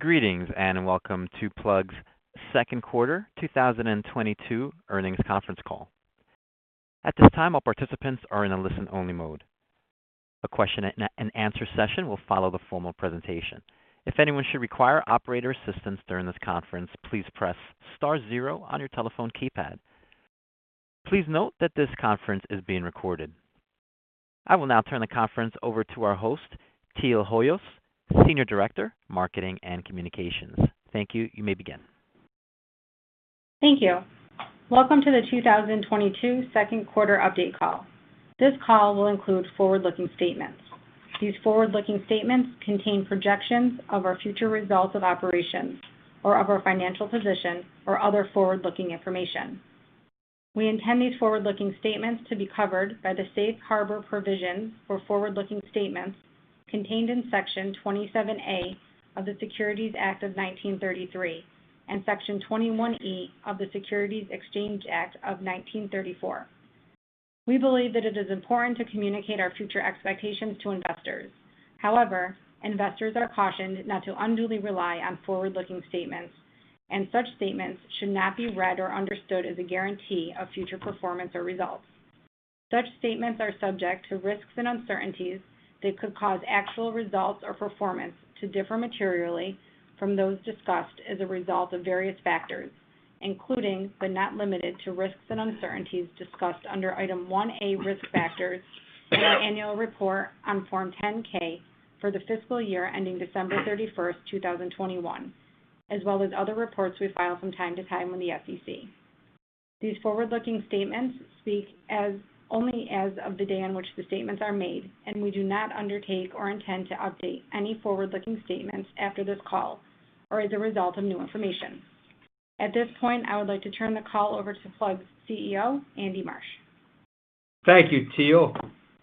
Greetings and welcome to Plug's Second Quarter 2022 Earnings Conference Call. At this time, all participants are in a listen-only mode. A question and answer session will follow the formal presentation. If anyone should require operator assistance during this conference, please press star zero on your telephone keypad. Please note that this conference is being recorded. I will now turn the conference over to our host, Teal Hoyos, Senior Director, Marketing and Communications. Thank you. You may begin. Thank you. Welcome to the 2022 second quarter update call. This call will include forward-looking statements. These forward-looking statements contain projections of our future results of operations or of our financial position or other forward-looking information. We intend these forward-looking statements to be covered by the safe harbor provisions for forward-looking statements contained in Section 27A of the Securities Act of 1933 and Section 21E of the Securities Exchange Act of 1934. We believe that it is important to communicate our future expectations to investors. However, investors are cautioned not to unduly rely on forward-looking statements, and such statements should not be read or understood as a guarantee of future performance or results. Such statements are subject to risks and uncertainties that could cause actual results or performance to differ materially from those discussed as a result of various factors, including but not limited to risks and uncertainties discussed under Item 1A, Risk Factors in our annual report on Form 10-K for the fiscal year ending December 31, 2021, as well as other reports we file from time to time with the SEC. These forward-looking statements speak only as of the day on which the statements are made, and we do not undertake or intend to update any forward-looking statements after this call or as a result of new information. At this point, I would like to turn the call over to Plug's CEO, Andy Marsh. Thank you, Teal,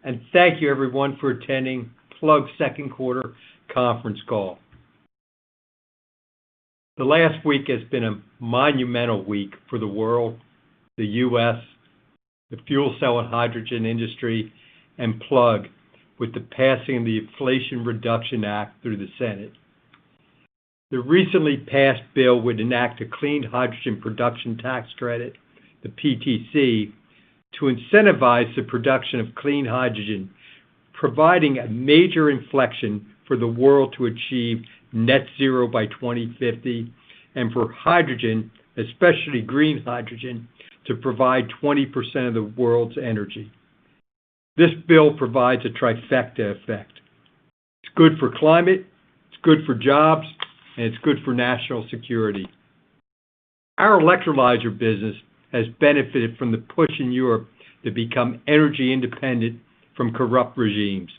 and thank you everyone for attending Plug's second quarter conference call. The last week has been a monumental week for the world, the U.S., the fuel cell and hydrogen industry, and Plug with the passing of the Inflation Reduction Act through the Senate. The recently passed bill would enact a clean hydrogen production tax credit, the PTC, to incentivize the production of clean hydrogen, providing a major inflection for the world to achieve net zero by 2050 and for hydrogen, especially green hydrogen, to provide 20% of the world's energy. This bill provides a trifecta effect. It's good for climate, it's good for jobs, and it's good for national security. Our electrolyzer business has benefited from the push in Europe to become energy independent from corrupt regimes.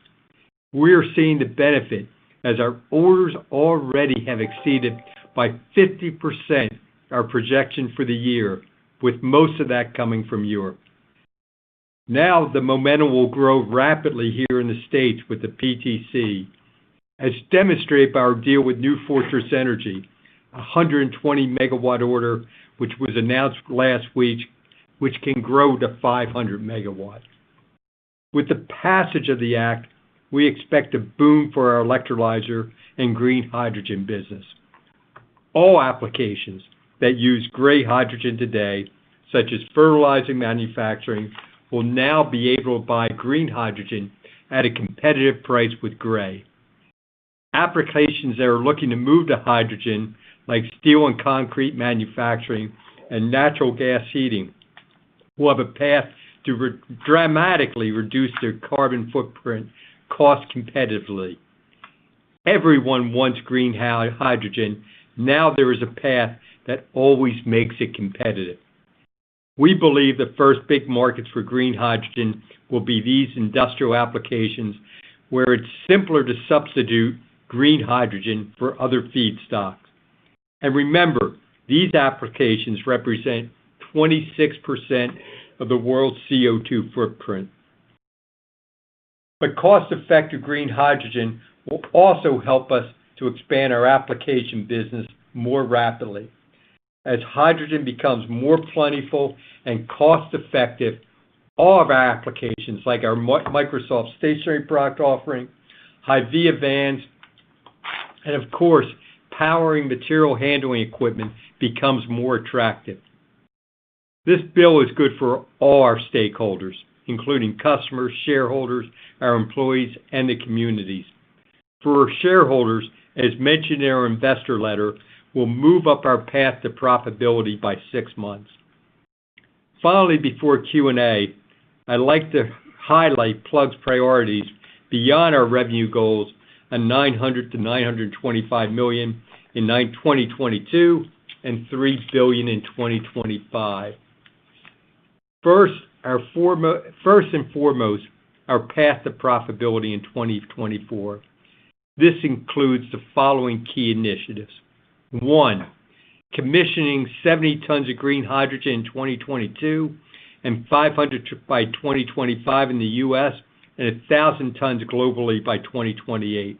We are seeing the benefit as our orders already have exceeded by 50% our projection for the year, with most of that coming from Europe. Now, the momentum will grow rapidly here in the States with the PTC, as demonstrated by our deal with New Fortress Energy, a 120 MW order which was announced last week, which can grow to 500 MW. With the passage of the Act, we expect a boom for our electrolyzer and green hydrogen business. All applications that use grey hydrogen today, such as fertilizer manufacturing, will now be able to buy green hydrogen at a competitive price with grey. Applications that are looking to move to hydrogen, like steel and concrete manufacturing and natural gas heating, will have a path to dramatically reduce their carbon footprint cost competitively. Everyone wants green hydrogen. Now there is a path that always makes it competitive. We believe the first big markets for green hydrogen will be these industrial applications where it's simpler to substitute green hydrogen for other feedstocks. Remember, these applications represent 26% of the world's CO₂ footprint. Cost-effective green hydrogen will also help us to expand our application business more rapidly. As hydrogen becomes more plentiful and cost-effective, all of our applications, like our Microsoft stationary product offering, HYVIA vans, and of course, powering material handling equipment becomes more attractive. This bill is good for all our stakeholders, including customers, shareholders, our employees, and the communities. For our shareholders, as mentioned in our investor letter, will move up our path to profitability by six months. Finally, before Q&A, I'd like to highlight Plug's priorities beyond our revenue goals of $900 million-$925 million in 2022 and $3 billion in 2025. First and foremost, our path to profitability in 2024. This includes the following key initiatives. One, commissioning 70 tons of green hydrogen in 2022 and 500 tons by 2025 in the US, and 1,000 tons globally by 2028.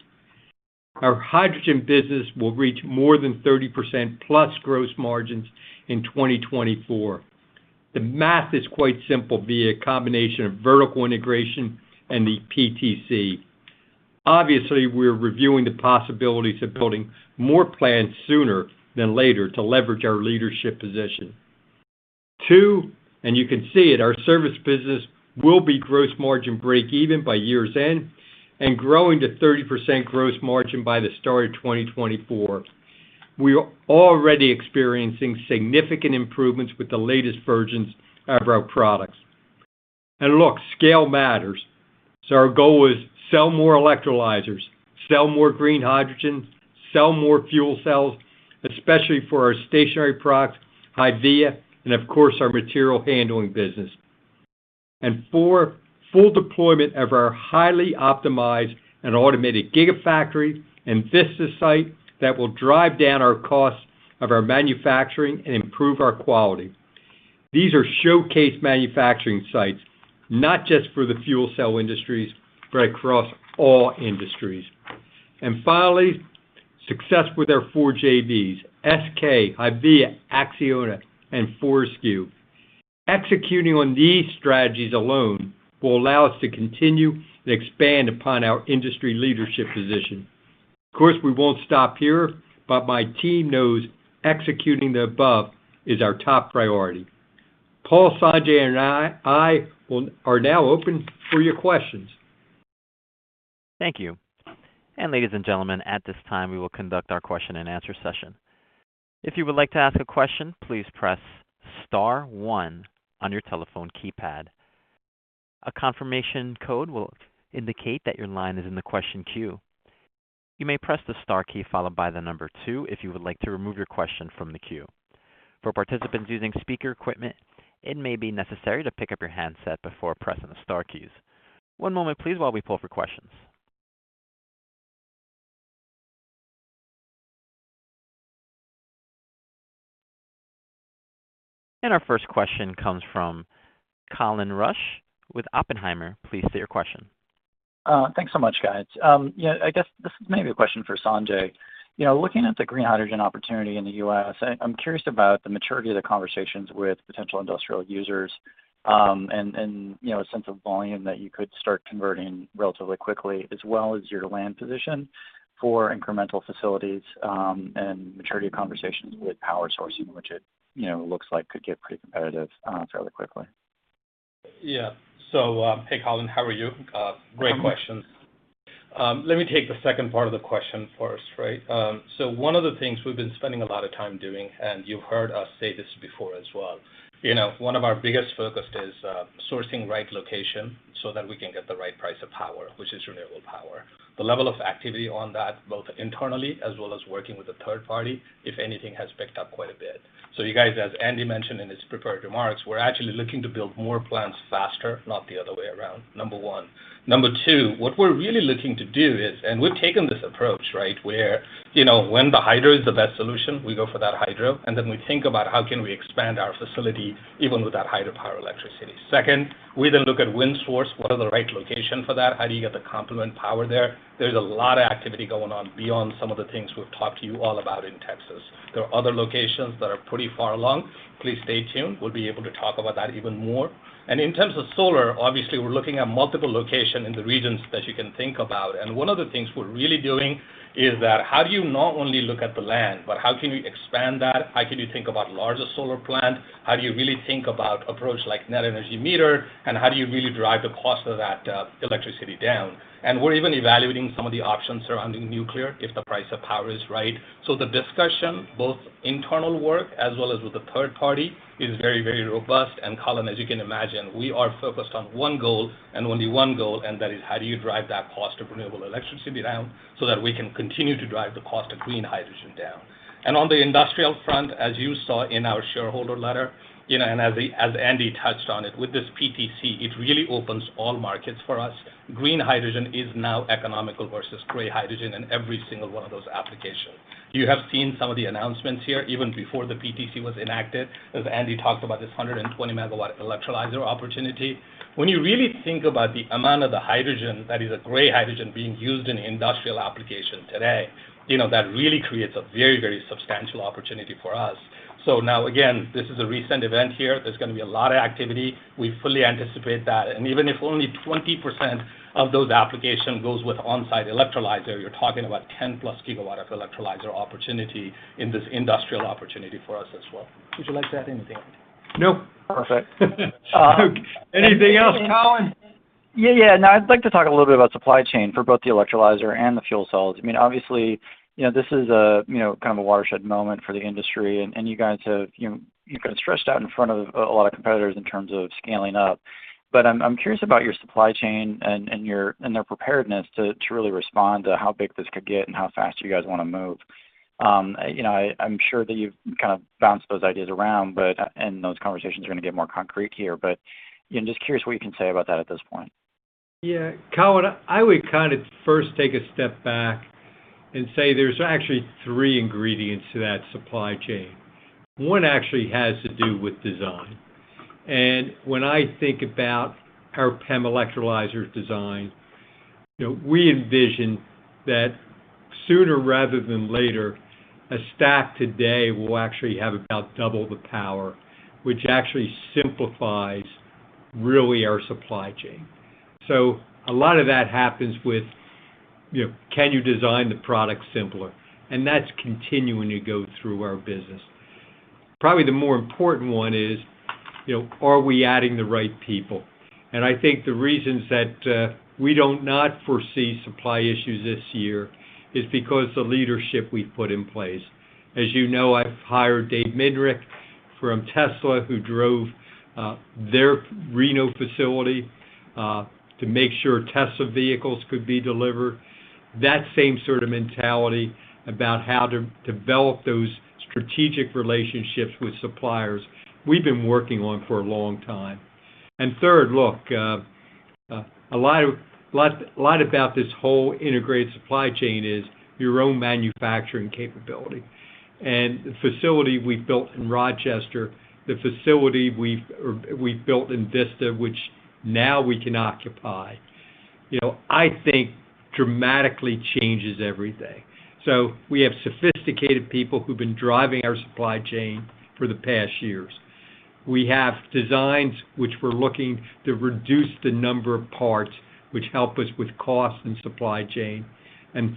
Our hydrogen business will reach more than 30%+ gross margins in 2024. The math is quite simple via combination of vertical integration and the PTC. Obviously, we're reviewing the possibilities of building more plants sooner than later to leverage our leadership position. Two, you can see it, our service business will be gross margin breakeven by year's end and growing to 30% gross margin by the start of 2024. We are already experiencing significant improvements with the latest versions of our products. Look, scale matters. Our goal is sell more electrolyzers, sell more green hydrogen, sell more fuel cells, especially for our stationary products, HYVIA, and of course, our material handling business. Four, full deployment of our highly optimized and automated gigafactory and Vista site that will drive down our costs of our manufacturing and improve our quality. These are showcase manufacturing sites, not just for the fuel cell industries, but across all industries. Finally, success with our four JVs, SK, HYVIA, ACCIONA and Fortescue. Executing on these strategies alone will allow us to continue and expand upon our industry leadership position. Of course, we won't stop here, but my team knows executing the above is our top priority. Paul, Sanjay, and I are now open for your questions. Thank you. Ladies and gentlemen, at this time, we will conduct our question and answer session. If you would like to ask a question, please press star one on your telephone keypad. A confirmation code will indicate that your line is in the question queue. You may press the star key followed by the number two if you would like to remove your question from the queue. For participants using speaker equipment, it may be necessary to pick up your handset before pressing the star keys. One moment, please, while we pull for questions. Our first question comes from Colin Rusch with Oppenheimer. Please state your question. Thanks so much, guys. Yeah, I guess this is maybe a question for Sanjay. You know, looking at the green hydrogen opportunity in the U.S., I'm curious about the maturity of the conversations with potential industrial users, and you know, a sense of volume that you could start converting relatively quickly, as well as your land position for incremental facilities, and maturity of conversations with power sourcing, which, you know, looks like could get pretty competitive fairly quickly. Yeah. Hey, Colin, how are you? Great questions. Let me take the second part of the question first, right? One of the things we've been spending a lot of time doing, and you've heard us say this before as well, you know, one of our biggest focus is, sourcing right location so that we can get the right price of power, which is renewable power. The level of activity on that, both internally as well as working with a third party, if anything, has picked up quite a bit. You guys, as Andy mentioned in his prepared remarks, we're actually looking to build more plants faster, not the other way around, number one. Number two, what we're really looking to do is, and we've taken this approach, right, where, you know, when the hydro is the best solution, we go for that hydro, and then we think about how can we expand our facility even with that hydropower electricity. Second, we then look at wind source. What are the right location for that? How do you get the complementary power there? There's a lot of activity going on beyond some of the things we've talked to you all about in Texas. There are other locations that are pretty far along. Please stay tuned. We'll be able to talk about that even more. In terms of solar, obviously, we're looking at multiple location in the regions that you can think about. One of the things we're really doing is that how do you not only look at the land, but how can you expand that? How can you think about larger solar plant? How do you really think about approach like net energy metering? How do you really drive the cost of that, electricity down? We're even evaluating some of the options surrounding nuclear if the price of power is right. The discussion, both internal work as well as with the third party, is very, very robust. Colin, as you can imagine, we are focused on one goal and only one goal, and that is how do you drive that cost of renewable electricity down so that we can continue to drive the cost of green hydrogen down. On the industrial front, as you saw in our shareholder letter, you know, and as Andy touched on it with this PTC, it really opens all markets for us. Green hydrogen is now economical versus gray hydrogen in every single one of those applications. You have seen some of the announcements here even before the PTC was enacted, as Andy talked about this 120 MW electrolyzer opportunity. When you really think about the amount of the hydrogen that is a gray hydrogen being used in industrial application today, you know, that really creates a very, very substantial opportunity for us. Now, again, this is a recent event here. There's gonna be a lot of activity. We fully anticipate that. Even if only 20% of those application goes with on-site electrolyzer, you're talking about 10+ GW of electrolyzer opportunity in this industrial opportunity for us as well. Would you like to add anything? No. Perfect. Anything else, Colin? Yeah, yeah. No, I'd like to talk a little bit about supply chain for both the electrolyzer and the fuel cells. I mean, obviously, you know, this is a, you know, kind of a watershed moment for the industry, and you guys have, you know, you kind of stretched out in front of a lot of competitors in terms of scaling up. But I'm curious about your supply chain and their preparedness to really respond to how big this could get and how fast you guys wanna move. You know, I'm sure that you've kind of bounced those ideas around, but those conversations are gonna get more concrete here, but I'm just curious what you can say about that at this point. Yeah. Colin, I would kinda first take a step back and say there's actually three ingredients to that supply chain. One actually has to do with design. When I think about our PEM electrolyzer design, you know, we envision that sooner rather than later, a stack today will actually have about double the power, which actually simplifies really our supply chain. A lot of that happens with, you know, can you design the product simpler? That's continuing to go through our business. Probably the more important one is, you know, are we adding the right people? I think the reasons that we don't not foresee supply issues this year is because the leadership we've put in place. As you know, I've hired David Mindnich from Tesla, who drove their Reno facility to make sure Tesla vehicles could be delivered. That same sort of mentality about how to develop those strategic relationships with suppliers we've been working on for a long time. Third, look, a lot about this whole integrated supply chain is your own manufacturing capability. The facility we built in Rochester, the facility we built in Vista, which now we can occupy, you know, I think dramatically changes everything. We have sophisticated people who've been driving our supply chain for the past years. We have designs which we're looking to reduce the number of parts, which help us with cost and supply chain.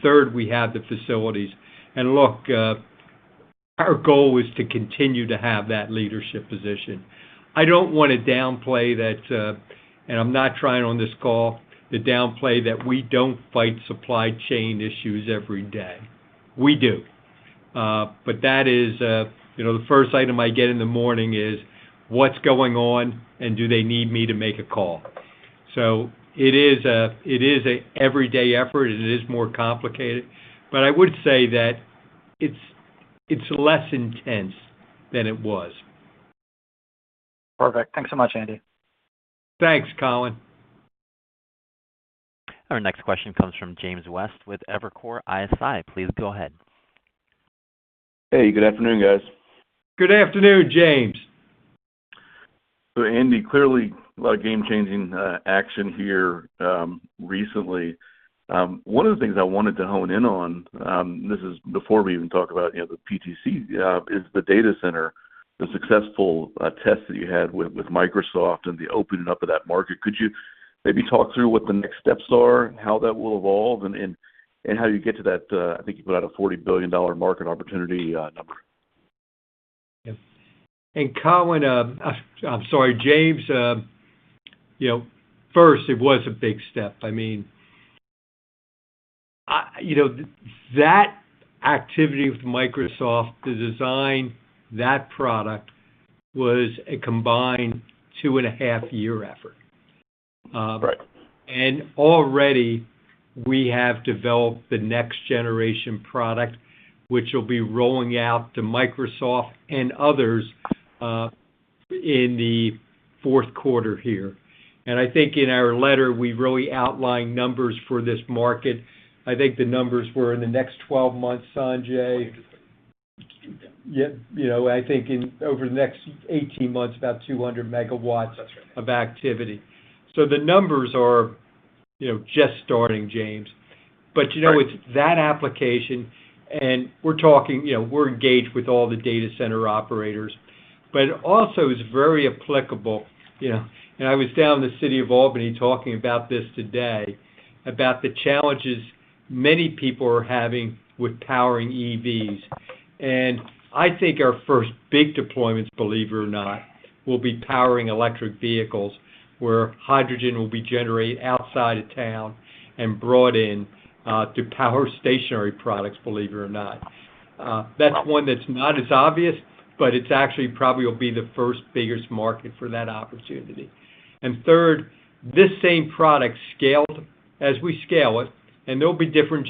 Third, we have the facilities. Look, our goal is to continue to have that leadership position. I don't wanna downplay that, and I'm not trying on this call to downplay that we don't fight supply chain issues every day. We do. That is, you know, the first item I get in the morning is, "What's going on, and do they need me to make a call?" It is a every day effort, it is more complicated, but I would say that it's less intense than it was. Perfect. Thanks so much, Andy. Thanks, Colin. Our next question comes from James West with Evercore ISI. Please go ahead. Hey, good afternoon, guys. Good afternoon, James. Andy, clearly a lot of game-changing action here recently. One of the things I wanted to hone in on, this is before we even talk about the PTC, is the data center, the successful test that you had with Microsoft and the opening up of that market. Could you maybe talk through what the next steps are and how that will evolve and how you get to that, I think you put out a $40 billion market opportunity number? Yeah. Colin, I'm sorry, James, you know, first, it was a big step. I mean, you know, that activity with Microsoft to design that product was a combined 2.5-year effort. Right. Already we have developed the next generation product, which will be rolling out to Microsoft and others, in the fourth quarter here. I think in our letter, we really outlined numbers for this market. I think the numbers were in the next 12 months, Sanjay. You know, I think in over the next 18 months, about 200 MW- That's right. of activity. The numbers are, you know, just starting, James. You know- Right. It's that application and we're talking, you know, we're engaged with all the data center operators, but it also is very applicable, you know. I was down in the city of Albany talking about this today, about the challenges many people are having with powering EVs. I think our first big deployments, believe it or not, will be powering electric vehicles, where hydrogen will be generated outside of town and brought in, to power stationary products, believe it or not. That's one that's not as obvious, but it's actually probably will be the first biggest market for that opportunity. Third, this same product scaled, as we scale it, and there'll be different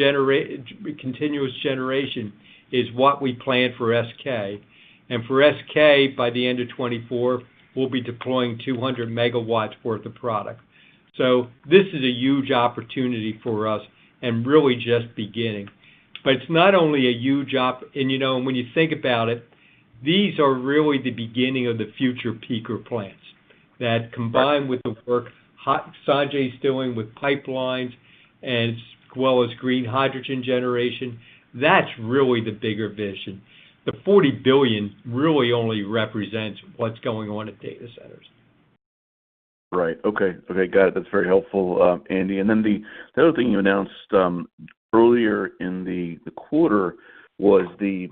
continuous generation is what we plan for SK. For SK, by the end of 2024, we'll be deploying 200 MW worth of product. This is a huge opportunity for us and really just beginning. It's not only a huge and you know, when you think about it, these are really the beginning of the future peaker plants that combine with the work Sanjay is doing with pipelines as well as green hydrogen generation. That's really the bigger vision. The $40 billion really only represents what's going on at data centers. Right. Okay. Okay, got it. That's very helpful, Andy. Then the other thing you announced earlier in the quarter was the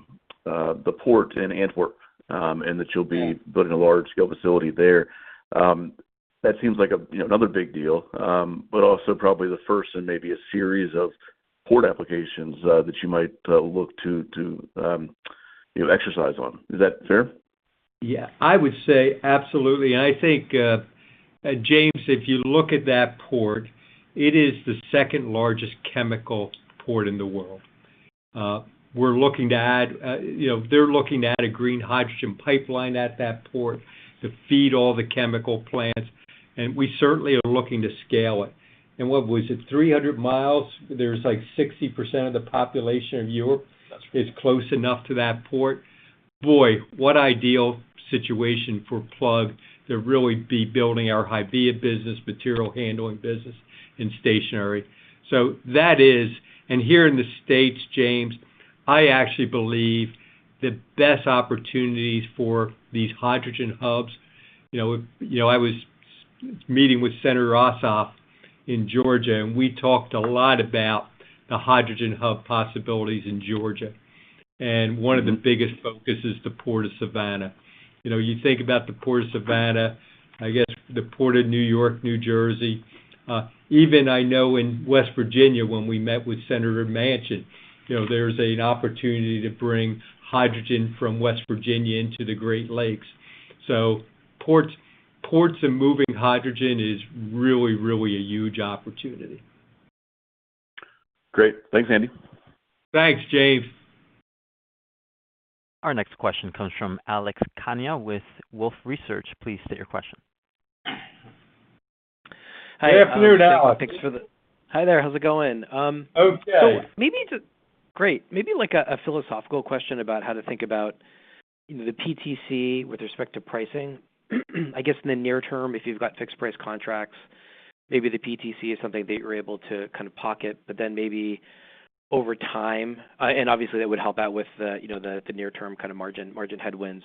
port in Antwerp, and that you'll be building a large-scale facility there. That seems like a you know another big deal, but also probably the first in maybe a series of port applications that you might look to you know execute on. Is that fair? Yeah. I would say absolutely. I think, James, if you look at that port, it is the second largest chemical port in the world. We're looking to add, you know, they're looking to add a green hydrogen pipeline at that port to feed all the chemical plants, and we certainly are looking to scale it. What was it? 300 miles, there's like 60% of the population of Europe. That's right. is close enough to that port. Boy, what ideal situation for Plug to really be building our HYVIA business, material handling business and stationary. Here in the States, James, I actually believe the best opportunities for these hydrogen hubs, you know, I was meeting with Senator Ossoff in Georgia, and we talked a lot about the hydrogen hub possibilities in Georgia. One of the biggest focus is the Port of Savannah. You know, you think about the Port of Savannah, I guess the Port of New York, New Jersey. Even I know in West Virginia when we met with Senator Manchin, you know, there's an opportunity to bring hydrogen from West Virginia into the Great Lakes. Ports and moving hydrogen is really a huge opportunity. Great. Thanks, Andy. Thanks, James. Our next question comes from Alex Kania with Wolfe Research. Please state your question. Good afternoon, Alex. Hi there. How's it going? Okay. Great. Maybe like a philosophical question about how to think about the PTC with respect to pricing. I guess in the near term, if you've got fixed price contracts, maybe the PTC is something that you're able to kind of pocket, but then maybe over time, and obviously that would help out with the, you know, the near term kind of margin headwinds.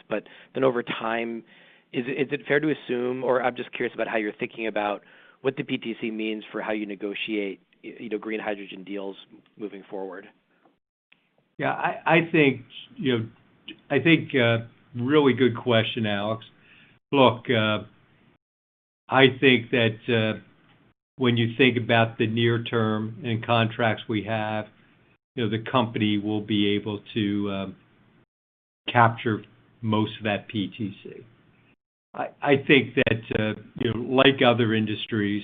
Over time, is it fair to assume or I'm just curious about how you're thinking about what the PTC means for how you negotiate, you know, green hydrogen deals moving forward. Yeah, I think, you know, really good question, Alex. Look, I think that when you think about the near term and contracts we have, you know, the company will be able to capture most of that PTC. I think that, you know, like other industries,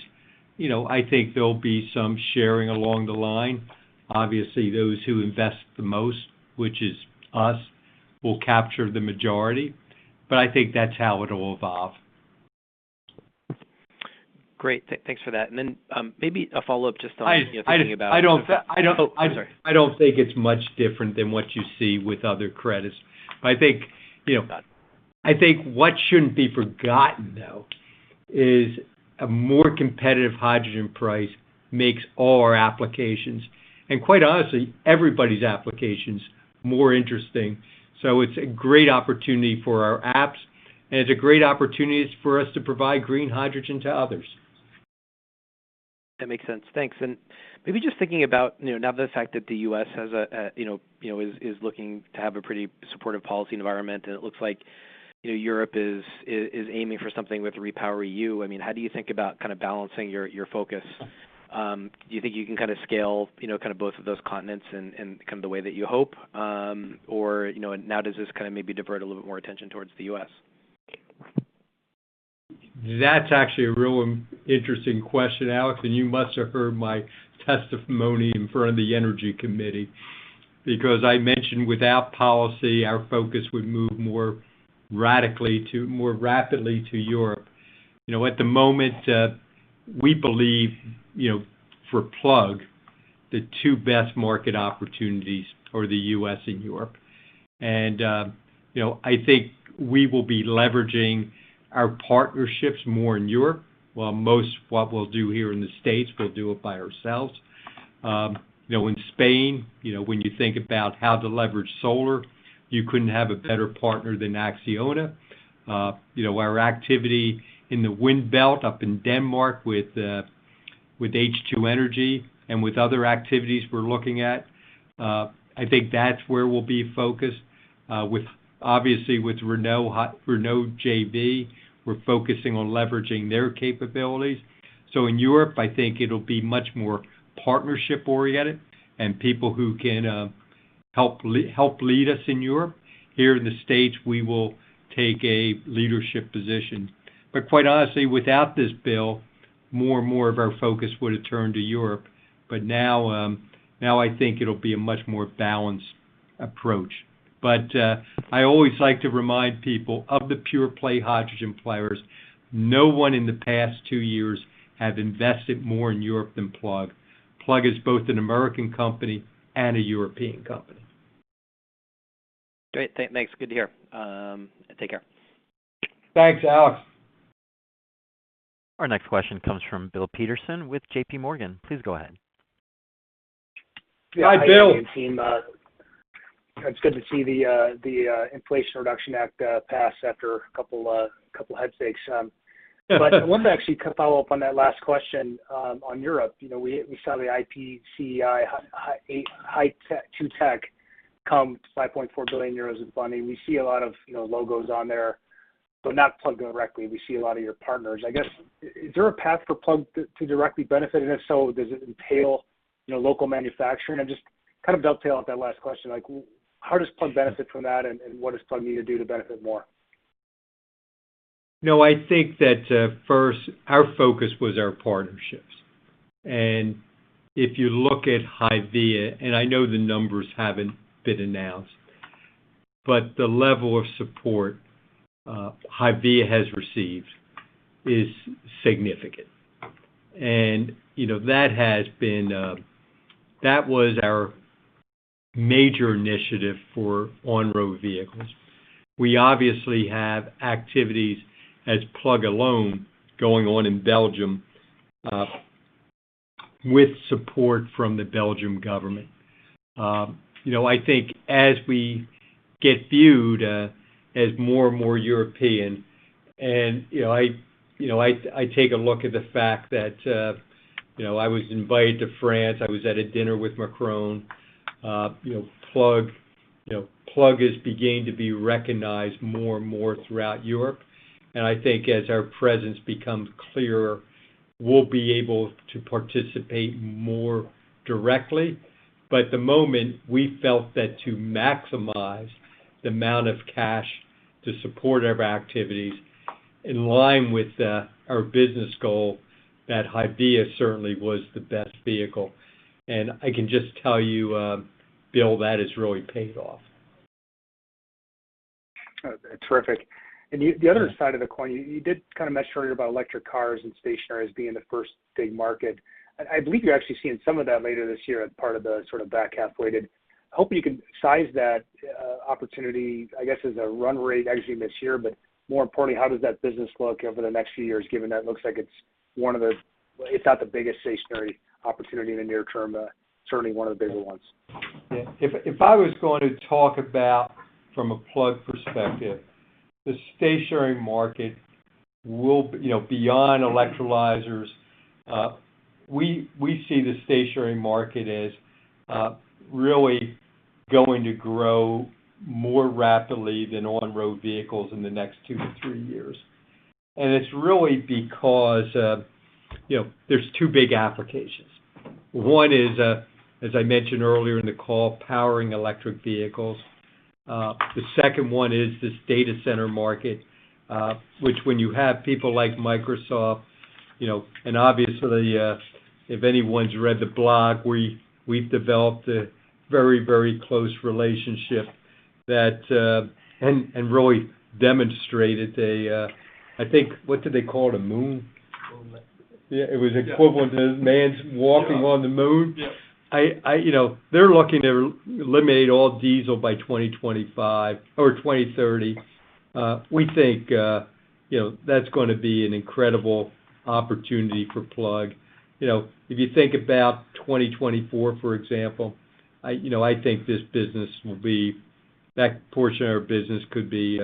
you know, I think there'll be some sharing along the line. Obviously, those who invest the most, which is us, will capture the majority. I think that's how it'll evolve. Great. Thanks for that. Maybe a follow-up just on, you know, thinking about. I don't. Oh, sorry. I don't think it's much different than what you see with other credits. I think, you know, I think what shouldn't be forgotten, though, is a more competitive hydrogen price makes all our applications, and quite honestly, everybody's applications more interesting. So it's a great opportunity for our apps, and it's a great opportunity for us to provide green hydrogen to others. That makes sense. Thanks. Maybe just thinking about, you know, now the fact that the U.S. has a you know is looking to have a pretty supportive policy environment, and it looks like, you know, Europe is aiming for something with REPowerEU. I mean, how do you think about kind of balancing your focus? Do you think you can kind of scale, you know, kind of both of those continents and kind of the way that you hope? Or, you know, now does this kind of maybe divert a little bit more attention towards the U.S.? That's actually a real interesting question, Alex, and you must have heard my testimony in front of the Energy Committee, because I mentioned without policy, our focus would move more rapidly to Europe. You know, at the moment, we believe, you know, for Plug, the two best market opportunities are the US and Europe. You know, I think we will be leveraging our partnerships more in Europe, while most what we'll do here in the States, we'll do it by ourselves. You know, in Spain, you know, when you think about how to leverage solar, you couldn't have a better partner than Acciona. You know, our activity in the Wind Belt up in Denmark with H2 Energy and with other activities we're looking at, I think that's where we'll be focused, with obviously with Renault JV, we're focusing on leveraging their capabilities. In Europe, I think it'll be much more partnership-oriented and people who can help lead us in Europe. Here in the States, we will take a leadership position. Quite honestly, without this bill, more and more of our focus would have turned to Europe. Now I think it'll be a much more balanced approach. I always like to remind people of the pure play hydrogen players. No one in the past two years have invested more in Europe than Plug. Plug is both an American company and a European company. Great. Thanks. Good to hear. Take care. Thanks, Alex. Our next question comes from Bill Peterson with JPMorgan. Please go ahead. Hi, Bill. It's good to see the Inflation Reduction Act pass after a couple head fakes. I wanted to actually follow up on that last question on Europe. You know, we saw the IPCEI Hy2Tech come to 5.4 billion euros in funding. We see a lot of, you know, logos on there, but not Plug directly. We see a lot of your partners. I guess, is there a path for Plug to directly benefit? And if so, does it entail, you know, local manufacturing? I just kind of dovetail off that last question, like how does Plug benefit from that and what does Plug need to do to benefit more? No, I think that, first, our focus was our partnerships. If you look at HYVIA, and I know the numbers haven't been announced, but the level of support, HYVIA has received is significant. You know, that has been, that was our major initiative for on-road vehicles. We obviously have activities as Plug, alone, going on in Belgium, with support from the Belgian government. You know, I think as we get viewed, as more and more European and, you know, I take a look at the fact that, you know, I was invited to France, I was at a dinner with Macron, you know, Plug, you know, Plug is beginning to be recognized more and more throughout Europe. I think as our presence becomes clearer, we'll be able to participate more directly. At the moment, we felt that to maximize the amount of cash to support our activities in line with our business goal, that HYVIA certainly was the best vehicle. I can just tell you, Bill, that has really paid off. Terrific. The other side of the coin, you did kind of mention earlier about electric cars and stationaries being the first big market. I believe you're actually seeing some of that later this year as part of the sort of back half weighted. I hope you can size that opportunity, I guess, as a run rate actually this year, but more importantly, how does that business look over the next few years, given that it looks like it's not the biggest stationary opportunity in the near term, but certainly one of the bigger ones. Yeah. If I was going to talk about from a Plug perspective, the stationary market will be. You know, beyond electrolyzers, we see the stationary market as really going to grow more rapidly than on-road vehicles in the next 2 to 3 years. It's really because, you know, there's 2 big applications. One is, as I mentioned earlier in the call, powering electric vehicles. The second one is this data center market, which when you have people like Microsoft, you know, and obviously, if anyone's read the blog, we've developed a very, very close relationship that and really demonstrated a, I think, what did they call it? A moon? Moon. Yeah, it was equivalent to man's walking on the moon. Yeah. You know, they're looking to eliminate all diesel by 2025 or 2030. We think, you know, that's gonna be an incredible opportunity for Plug. You know, if you think about 2024, for example, I, you know, I think that portion of our business could be,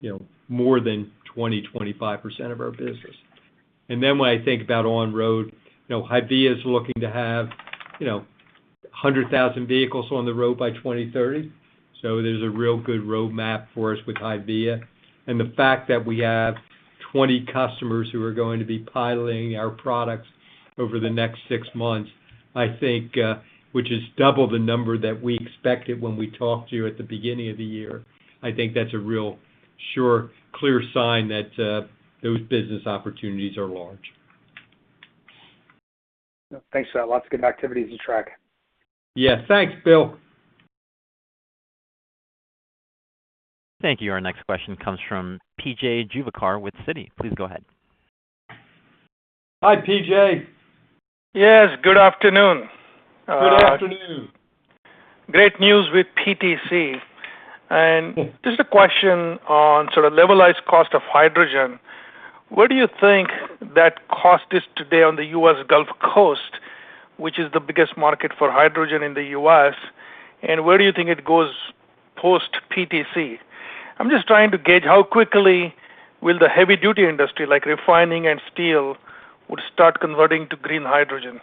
you know, more than 20-25% of our business. Then when I think about on-road, you know, HYVIA is looking to have, you know, 100,000 vehicles on the road by 2030. There's a real good roadmap for us with HYVIA. The fact that we have 20 customers who are going to be piloting our products over the next six months, I think, which is double the number that we expected when we talked to you at the beginning of the year, I think that's a real sure, clear sign that, those business opportunities are large. Thanks for that. Lots of good activities and traction. Yes. Thanks, Bill. Thank you. Our next question comes from P.J. Juvekar with Citi. Please go ahead. Hi, P.J. Yes, good afternoon. Good afternoon. Great news with PTC. Just a question on sort of levelized cost of hydrogen. Where do you think that cost is today on the U.S. Gulf Coast, which is the biggest market for hydrogen in the U.S., and where do you think it goes post PTC? I'm just trying to gauge how quickly will the heavy-duty industry like refining and steel would start converting to green hydrogen.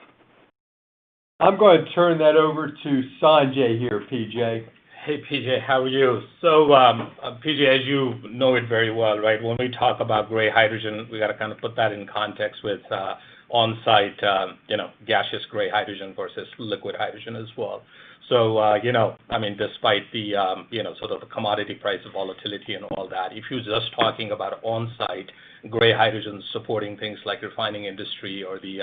I'm gonna turn that over to Sanjay here, P.J. Hey, P.J., how are you? P.J., as you know it very well, right, when we talk about gray hydrogen, we gotta kind of put that in context with on-site, you know, gaseous gray hydrogen versus liquid hydrogen as well. You know, I mean, despite the you know, sort of commodity price volatility and all that, if you're just talking about on-site gray hydrogen supporting things like refining industry or the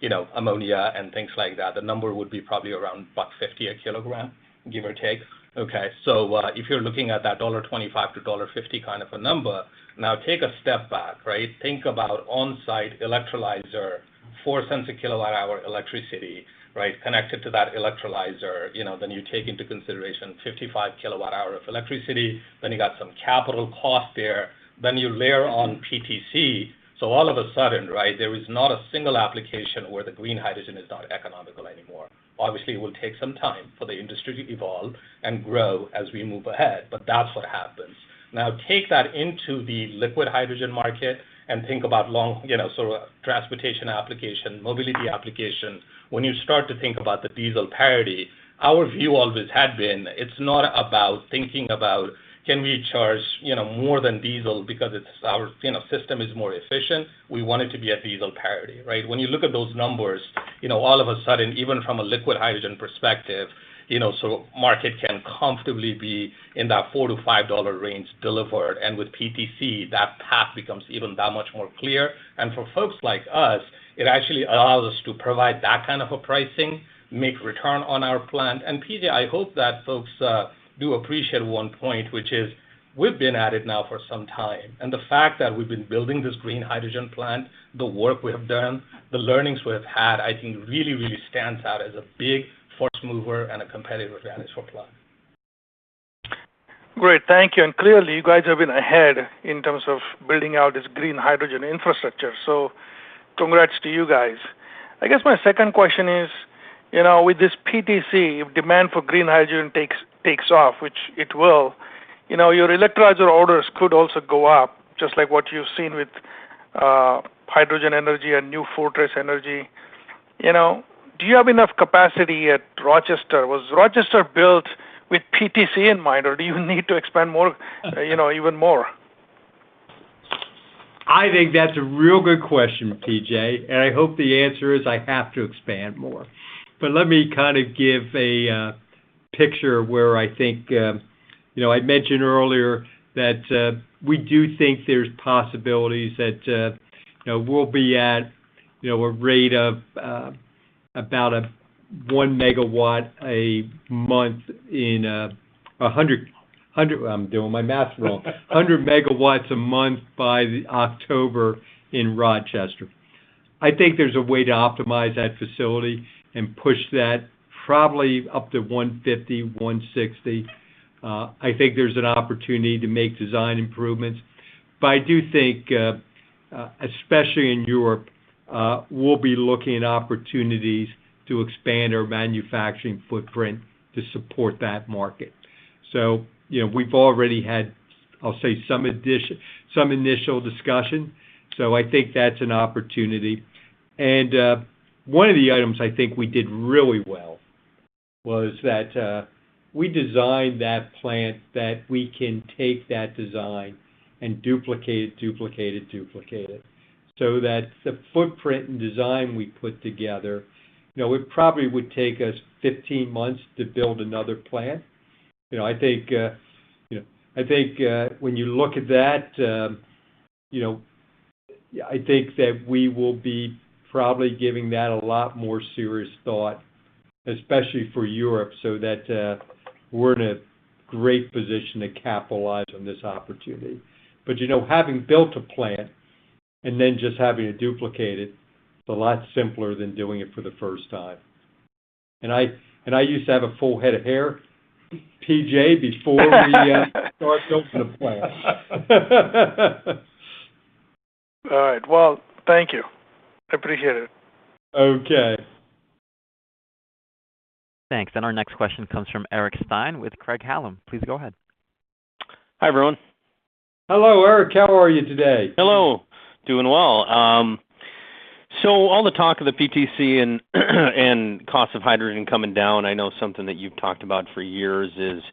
you know, ammonia and things like that, the number would be probably around, what, $50 a kilogram, give or take. Okay? If you're looking at that $25-$50 kind of a number, now take a step back, right? Think about on-site electrolyzer, $0.04 a kilowatt hour electricity, right, connected to that electrolyzer. You know, then you take into consideration 55 kWh of electricity, then you got some capital cost there, then you layer on PTC. All of a sudden, right, there is not a single application where the green hydrogen is not economical anymore. Obviously, it will take some time for the industry to evolve and grow as we move ahead, but that's what happens. Now, take that into the liquid hydrogen market and think about long, you know, sort of transportation application, mobility application. When you start to think about the diesel parity, our view always had been, it's not about thinking about, can we charge, you know, more than diesel because it's our, you know, system is more efficient. We want it to be at diesel parity, right? When you look at those numbers, you know, all of a sudden, even from a liquid hydrogen perspective, you know, the market can comfortably be in that $4-$5 range delivered. With PTC, that path becomes even that much more clear. For folks like us, it actually allows us to provide that kind of a pricing, make return on our plant. PJ, I hope that folks do appreciate one point, which is, we've been at it now for some time, and the fact that we've been building this green hydrogen plant, the work we have done, the learnings we have had, I think really, really stands out as a big force mover and a competitive advantage for Plug. Great. Thank you. Clearly, you guys have been ahead in terms of building out this green hydrogen infrastructure. Congrats to you guys. I guess my second question is, you know, with this PTC, if demand for green hydrogen takes off, which it will, you know, your electrolyzer orders could also go up just like what you've seen with H2 Energy Europe and New Fortress Energy. You know, do you have enough capacity at Rochester? Was Rochester built with PTC in mind, or do you need to expand more, you know, even more? I think that's a real good question, P.J., and I hope the answer is I have to expand more. Let me kind of give a picture where I think, you know, I mentioned earlier that we do think there's possibilities that, you know, we'll be at, you know, a rate of about 1 MW a month in 100 MW a month by October in Rochester. I think there's a way to optimize that facility and push that probably up to 150, 160. I think there's an opportunity to make design improvements, but I do think, especially in Europe, we'll be looking at opportunities to expand our manufacturing footprint to support that market. You know, we've already had, I'll say, some additional, some initial discussion. I think that's an opportunity. One of the items I think we did really well was that we designed that plant that we can take that design and duplicate it. That the footprint and design we put together, you know, it probably would take us 15 months to build another plant. You know, I think when you look at that, you know, I think that we will be probably giving that a lot more serious thought, especially for Europe, so that we're in a great position to capitalize on this opportunity. You know, having built a plant and then just having to duplicate it is a lot simpler than doing it for the first time. I used to have a full head of hair, P.J., before we started building the plant. All right. Well, thank you. I appreciate it. Okay. Thanks. Our next question comes from Eric Stine with Craig-Hallum. Please go ahead. Hi, everyone. Hello, Eric. How are you today? Hello. Doing well. All the talk of the PTC and cost of hydrogen coming down, I know something that you've talked about for years is. Sure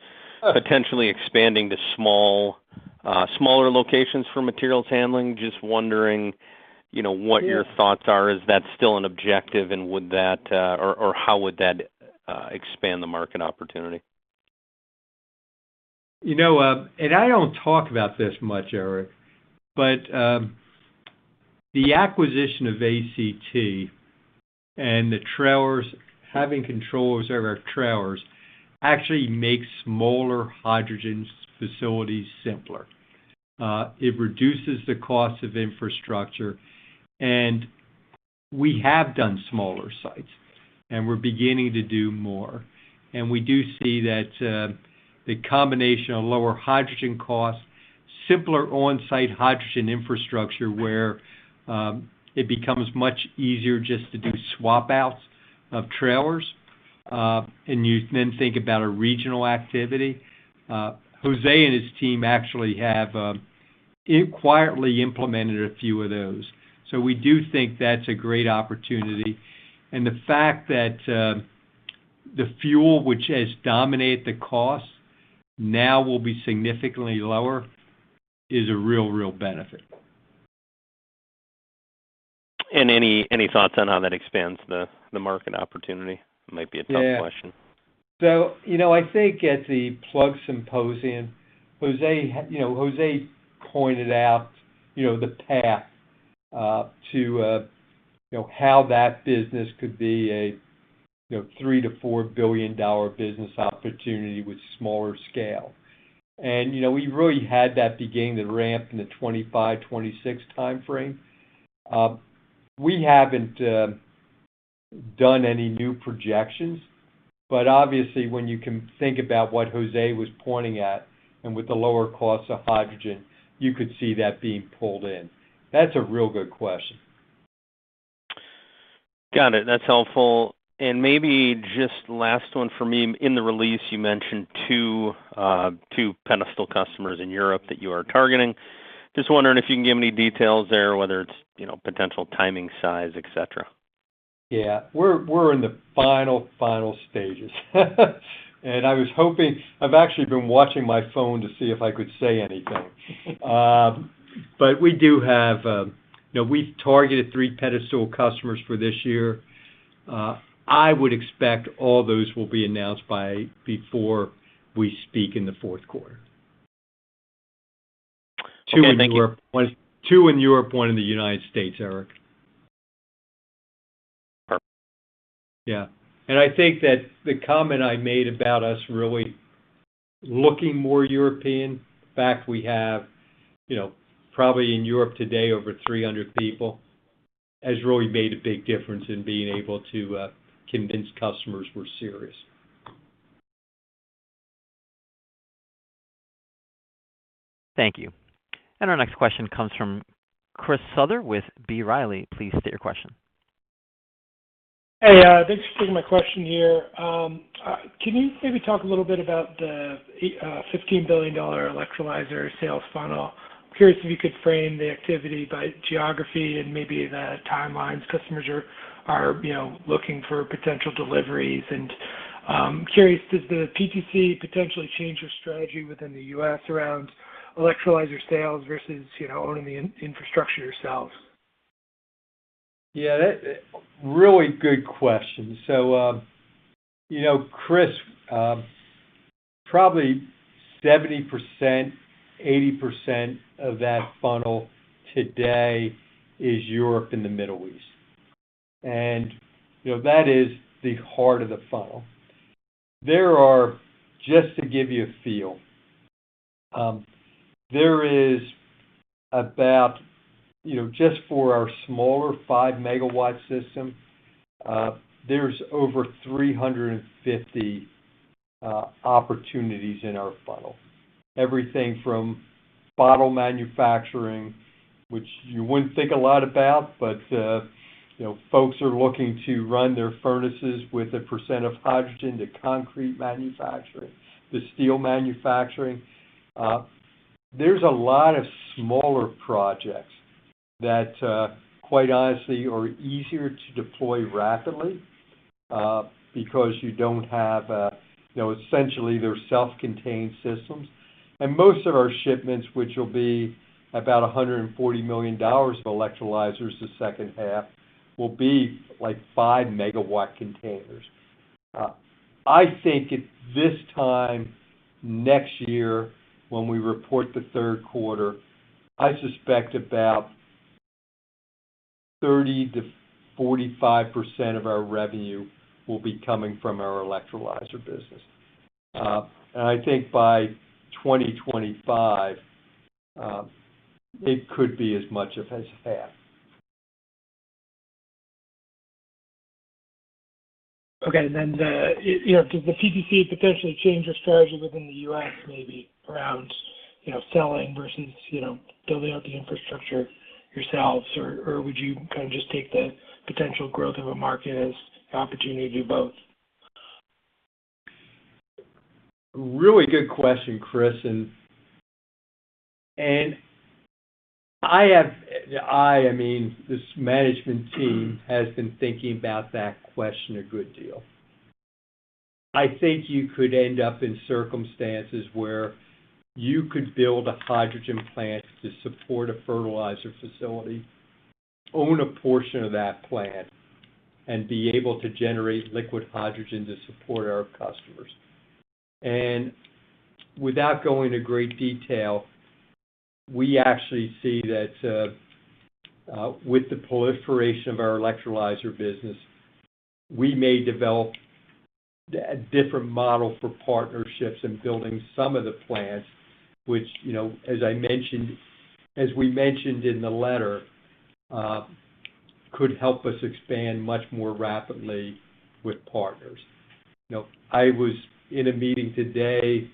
potentially expanding to small, smaller locations for materials handling. Just wondering, you know- Yeah What your thoughts are. Is that still an objective, and would that or how would that expand the market opportunity? You know, I don't talk about this much, Eric, but the acquisition of ACT and the trailers, having control over our trailers actually makes smaller hydrogen facilities simpler. It reduces the cost of infrastructure. We have done smaller sites, and we're beginning to do more. We do see that the combination of lower hydrogen costs, simpler on-site hydrogen infrastructure, where it becomes much easier just to do swap outs of trailers, and you then think about a regional activity. Jose and his team actually have quietly implemented a few of those. We do think that's a great opportunity. The fact that the fuel which has dominated the cost now will be significantly lower is a real benefit. Any thoughts on how that expands the market opportunity? Might be a tough question. Yeah. I think at the Plug Symposium, Jose pointed out the path to how that business could be a $3-$4 billion business opportunity with smaller scale. You know, we really had that beginning to ramp in the 2025-2026 timeframe. We haven't done any new projections, but obviously, when you can think about what Jose was pointing at and with the lower cost of hydrogen, you could see that being pulled in. That's a real good question. Got it. That's helpful. Maybe just last one for me. In the release, you mentioned two Pedestal customers in Europe that you are targeting. Just wondering if you can give me any details there, whether it's, you know, potential timing, size, et cetera. Yeah. We're in the final stages. I was hoping I've actually been watching my phone to see if I could say anything. But we do have, you know, we've targeted three Pedestal customers for this year. I would expect all those will be announced before we speak in the fourth quarter. Okay. Thank you. 2 in Europe, 1 in the United States, Eric. Perfect. Yeah. I think that the comment I made about us really looking more European, in fact, we have, you know, probably in Europe today, over 300 people, has really made a big difference in being able to convince customers we're serious. Thank you. Our next question comes from Chris Souther with B. Riley. Please state your question. Hey, thanks for taking my question here. Can you maybe talk a little bit about the $15 billion electrolyzer sales funnel? I'm curious if you could frame the activity by geography and maybe the timelines customers are you know looking for potential deliveries. Curious, does the PTC potentially change your strategy within the U.S. around electrolyzer sales versus, you know, owning the infrastructure yourselves? Really good question. You know, Chris, probably 70%, 80% of that funnel today is Europe and the Middle East. You know, that is the heart of the funnel. Just to give you a feel, there is about, you know, just for our smaller 5 MW system, there's over 350 opportunities in our funnel. Everything from bottle manufacturing, which you wouldn't think a lot about, but, you know, folks are looking to run their furnaces with a % of hydrogen to concrete manufacturing, to steel manufacturing. There's a lot of smaller projects that, quite honestly are easier to deploy rapidly, because you don't have. You know, essentially, they're self-contained systems. Most of our shipments, which will be about $140 million of electrolyzers the second half, will be 5 MW containers. I think at this time next year when we report the third quarter, I suspect about 30%-45% of our revenue will be coming from our electrolyzer business. I think by 2025, it could be as much as half. You know, does the PTC potentially change your strategy within the U.S., maybe around, you know, selling versus, you know, building out the infrastructure yourselves? Or would you kind of just take the potential growth of a market as the opportunity to do both? Really good question, Chris. I mean, this management team has been thinking about that question a good deal. I think you could end up in circumstances where you could build a hydrogen plant to support a fertilizer facility, own a portion of that plant, and be able to generate liquid hydrogen to support our customers. Without going to great detail, we actually see that, with the proliferation of our electrolyzer business, we may develop a different model for partnerships and building some of the plants, which, you know, as we mentioned in the letter, could help us expand much more rapidly with partners. You know, I was in a meeting today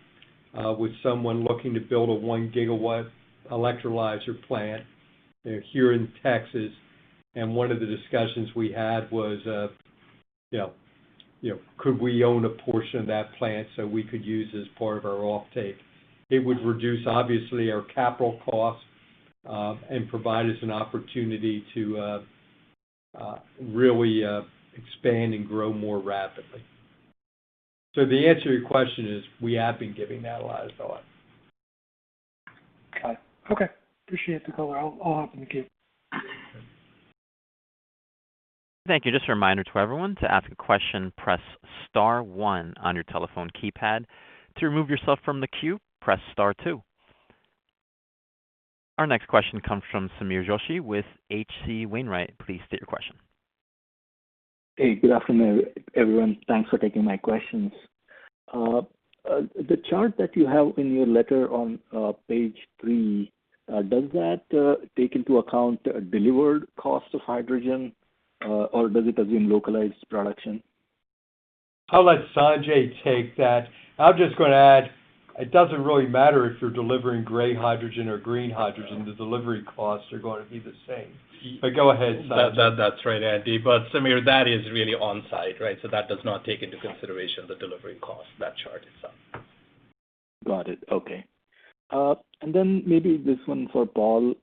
with someone looking to build a 1 GW electrolyzer plant here in Texas, and one of the discussions we had was you know, could we own a portion of that plant so we could use as part of our offtake? It would reduce, obviously, our capital costs and provide us an opportunity to really expand and grow more rapidly. The answer to your question is we have been giving that a lot of thought. Okay. Appreciate the color. I'll hop in the queue. Thank you. Just a reminder to everyone, to ask a question, press star one on your telephone keypad. To remove yourself from the queue, press star two. Our next question comes from Sameer Joshi with H.C. Wainwright. Please state your question. Hey, good afternoon, everyone. Thanks for taking my questions. The chart that you have in your letter on page 3 does that take into account a delivered cost of hydrogen or does it assume localized production? I'll let Sanjay take that. I'm just gonna add, it doesn't really matter if you're delivering gray hydrogen or green hydrogen, the delivery costs are gonna be the same. Go ahead, Sanjay. That's right, Andy. Samir, that is really on-site, right? That does not take into consideration the delivery cost, that chart itself. Got it. Okay. Then maybe this one for Paul.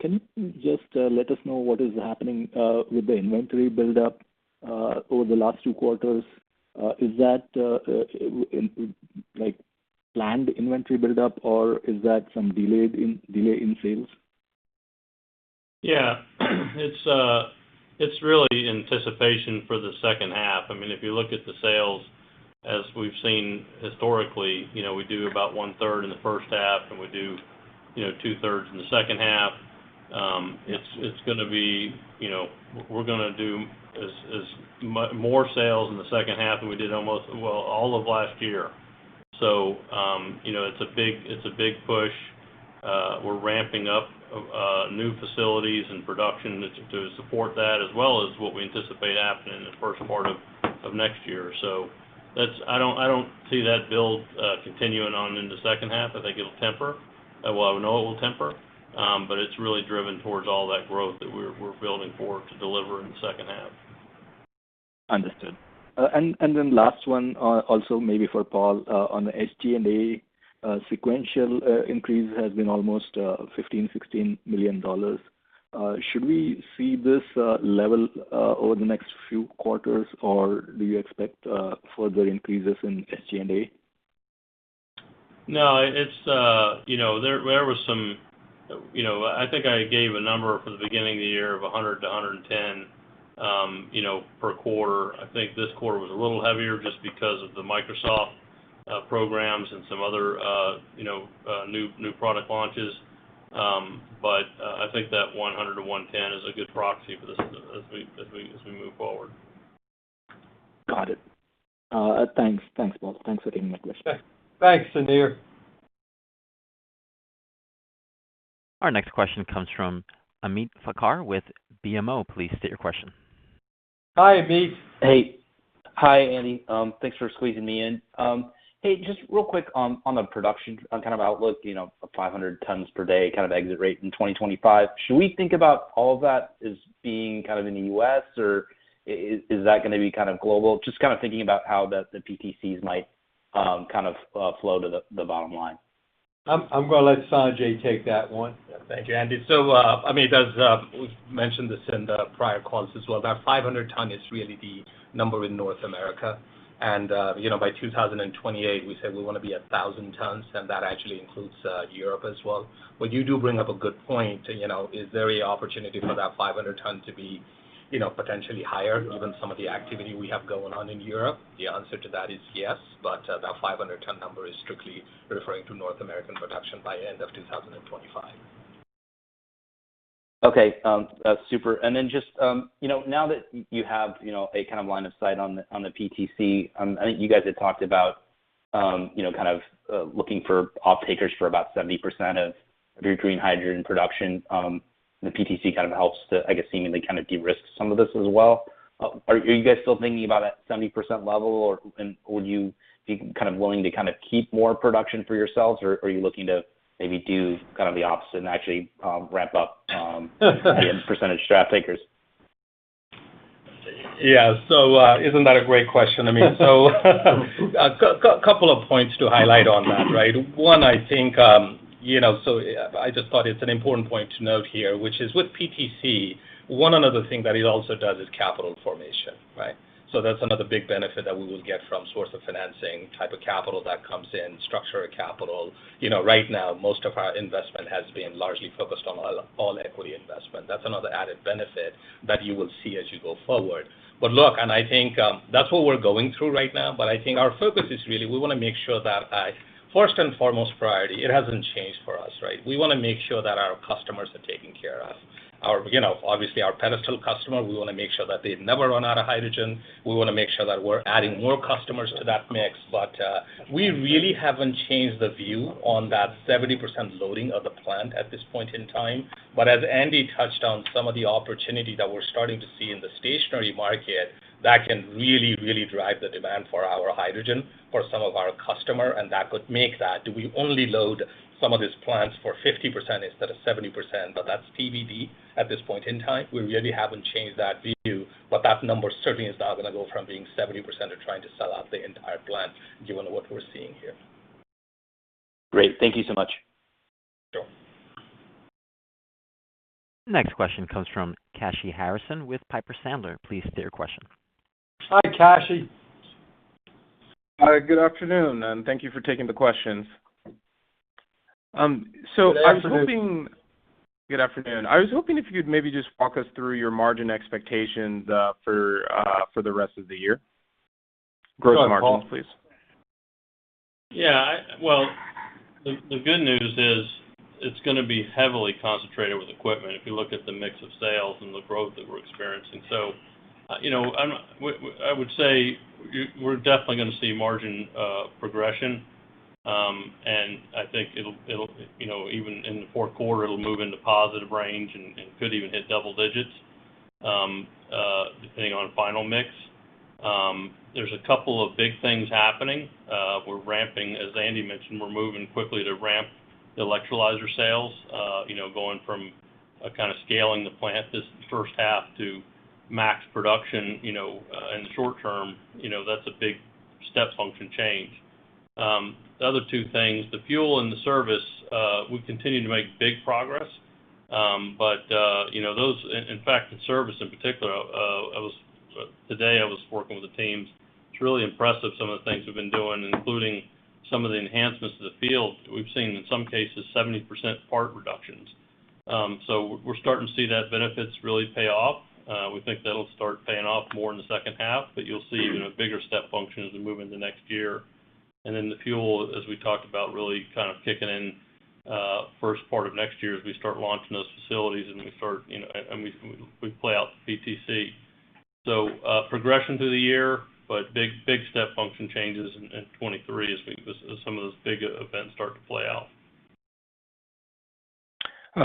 Can you just let us know what is happening with the inventory buildup over the last two quarters? Is that like planned inventory buildup, or is that some delay in sales? Yeah. It's really anticipation for the second half. I mean, if you look at the sales, as we've seen historically, you know, we do about one-third in the first half, and we do, you know, two-thirds in the second half. It's gonna be, you know. We're gonna do more sales in the second half than we did almost, well, all of last year. You know, it's a big push. We're ramping up new facilities and production to support that, as well as what we anticipate happening in the first quarter of next year. That's. I don't see that build continuing on in the second half. I think it'll temper. Well, I know it will temper, but it's really driven towards all that growth that we're building for to deliver in the second half. Understood. Last one, also maybe for Paul. On the SG&A, sequential increase has been almost $15-$16 million. Should we see this level over the next few quarters? Or do you expect further increases in SG&A? No, it's you know there was some. You know, I think I gave a number for the beginning of the year of 100 to 110 per quarter. I think this quarter was a little heavier just because of the Microsoft programs and some other you know new product launches. I think that 100 to 110 is a good proxy for this as we move forward. Got it. Thanks. Thanks, Paul. Thanks for taking my question. Thanks, Sameer. Our next question comes from Ameet Thakkar with BMO. Please state your question. Hi, Ameet. Hey. Hi, Andy. Thanks for squeezing me in. Hey, just real quick on the production outlook, you know, of 500 tons per day kind of exit rate in 2025. Should we think about all of that as being kind of in the U.S., or is that gonna be kind of global? Just kind of thinking about how the PTCs might kind of flow to the bottom line. I'm gonna let Sanjay take that one. Thank you, Andy. I mean, as we've mentioned this in the prior calls as well, that 500 ton is really the number in North America. You know, by 2028, we said we wanna be 1,000 tons, and that actually includes Europe as well. You do bring up a good point. You know, is there any opportunity for that 500 ton to be, you know, potentially higher given some of the activity we have going on in Europe? The answer to that is yes, but that 500 ton number is strictly referring to North American production by end of 2025. Okay. Super. Then just, you know, now that you have, you know, a kind of line of sight on the PTC, I think you guys had talked about, you know, kind of, looking for offtakers for about 70% of your green hydrogen production. The PTC kind of helps to, I guess, seemingly kind of de-risk some of this as well. Are you guys still thinking about that 70% level or would you be kind of willing to kind of keep more production for yourselves, or are you looking to maybe do kind of the opposite and actually ramp up the percentage of offtakers? Yeah. Isn't that a great question, Ameet? A couple of points to highlight on that, right? One, I think, you know, I just thought it's an important point to note here, which is with PTC, one another thing that it also does is capital formation, right? That's another big benefit that we will get from source of financing type of capital that comes in, structural capital. You know, right now, most of our investment has been largely focused on all equity investment. That's another added benefit that you will see as you go forward. Look, and I think, that's what we're going through right now, but I think our focus is really, we want to make sure that first and foremost priority, it hasn't changed for us, right? We want to make sure that our customers are taken care of. You know, obviously our Pedestal customer, we wanna make sure that they never run out of hydrogen. We wanna make sure that we're adding more customers to that mix. We really haven't changed the view on that 70% loading of the plant at this point in time. As Andy touched on some of the opportunity that we're starting to see in the stationary market, that can really, really drive the demand for our hydrogen for some of our customers, and that could make that, do we only load some of these plants for 50% instead of 70%, but that's TBD at this point in time. We really haven't changed that view, but that number certainly is not gonna go from being 70% to trying to sell out the entire plant given what we're seeing here. Great. Thank you so much. Sure. Next question comes from Kashy Harrison with Piper Sandler. Please state your question. Hi, Kashy. Hi. Good afternoon, and thank you for taking the questions. I was hoping. Good afternoon. Good afternoon. I was hoping if you'd maybe just walk us through your margin expectations for the rest of the year? Go ahead, Paul. Growth margins, please. Yeah. Well, the good news is it's gonna be heavily concentrated with equipment if you look at the mix of sales and the growth that we're experiencing. You know, I would say we're definitely gonna see margin progression. I think it'll, you know, even in the fourth quarter, it'll move into positive range and could even hit double digits, depending on final mix. There's a couple of big things happening. We're ramping, as Andy mentioned, we're moving quickly to ramp electrolyzer sales, you know, going from a kind of scaling the plant this first half to max production, you know, in the short term. You know, that's a big step function change. The other two things, the fuel and the service, we continue to make big progress. You know, those in fact in service in particular, today I was working with the teams. It's really impressive, some of the things we've been doing, including some of the enhancements to the field. We've seen, in some cases, 70% part reductions. We're starting to see that benefits really pay off. We think that'll start paying off more in the second half, but you'll see even a bigger step function as we move into next year. The fuel, as we talked about, really kind of kicking in first part of next year as we start launching those facilities, you know, we play out the PTC. Progression through the year, but big step function changes in 2023 as some of those big events start to play out.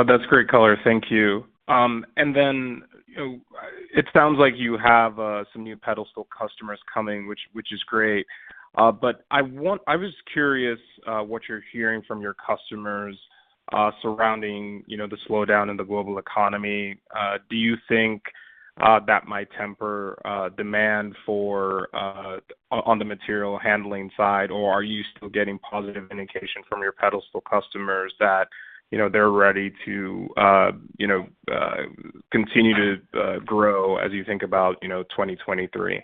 That's great color. Thank you. You know, it sounds like you have some new pedestal customers coming, which is great. I was curious what you're hearing from your customers surrounding you know, the slowdown in the global economy. Do you think that might temper demand for on the material handling side? Are you still getting positive indication from your pedestal customers that, you know, they're ready to you know continue to grow as you think about you know, 2023?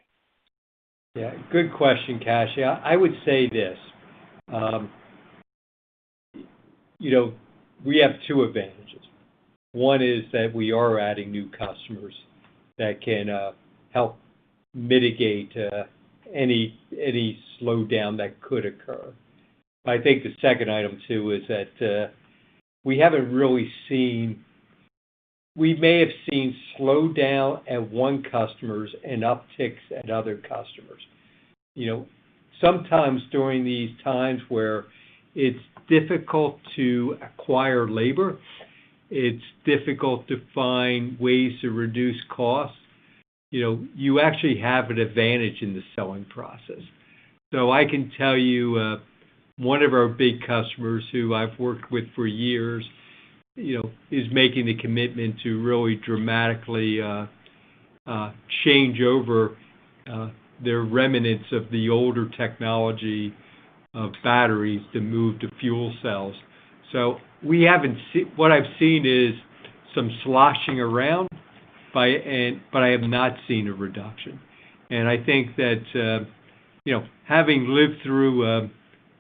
Yeah. Good question, Kashy. I would say this, you know, we have two advantages. One is that we are adding new customers that can help mitigate any slowdown that could occur. I think the second item too is that we haven't really seen. We may have seen slowdown at one customers and upticks at other customers. You know, sometimes during these times where it's difficult to acquire labor, it's difficult to find ways to reduce costs, you know, you actually have an advantage in the selling process. So I can tell you one of our big customers who I've worked with for years, you know, is making the commitment to really dramatically change over their remnants of the older technology of batteries to move to fuel cells. So we haven't seen. What I've seen is some sloshing around but I have not seen a reduction. I think that, you know, having lived through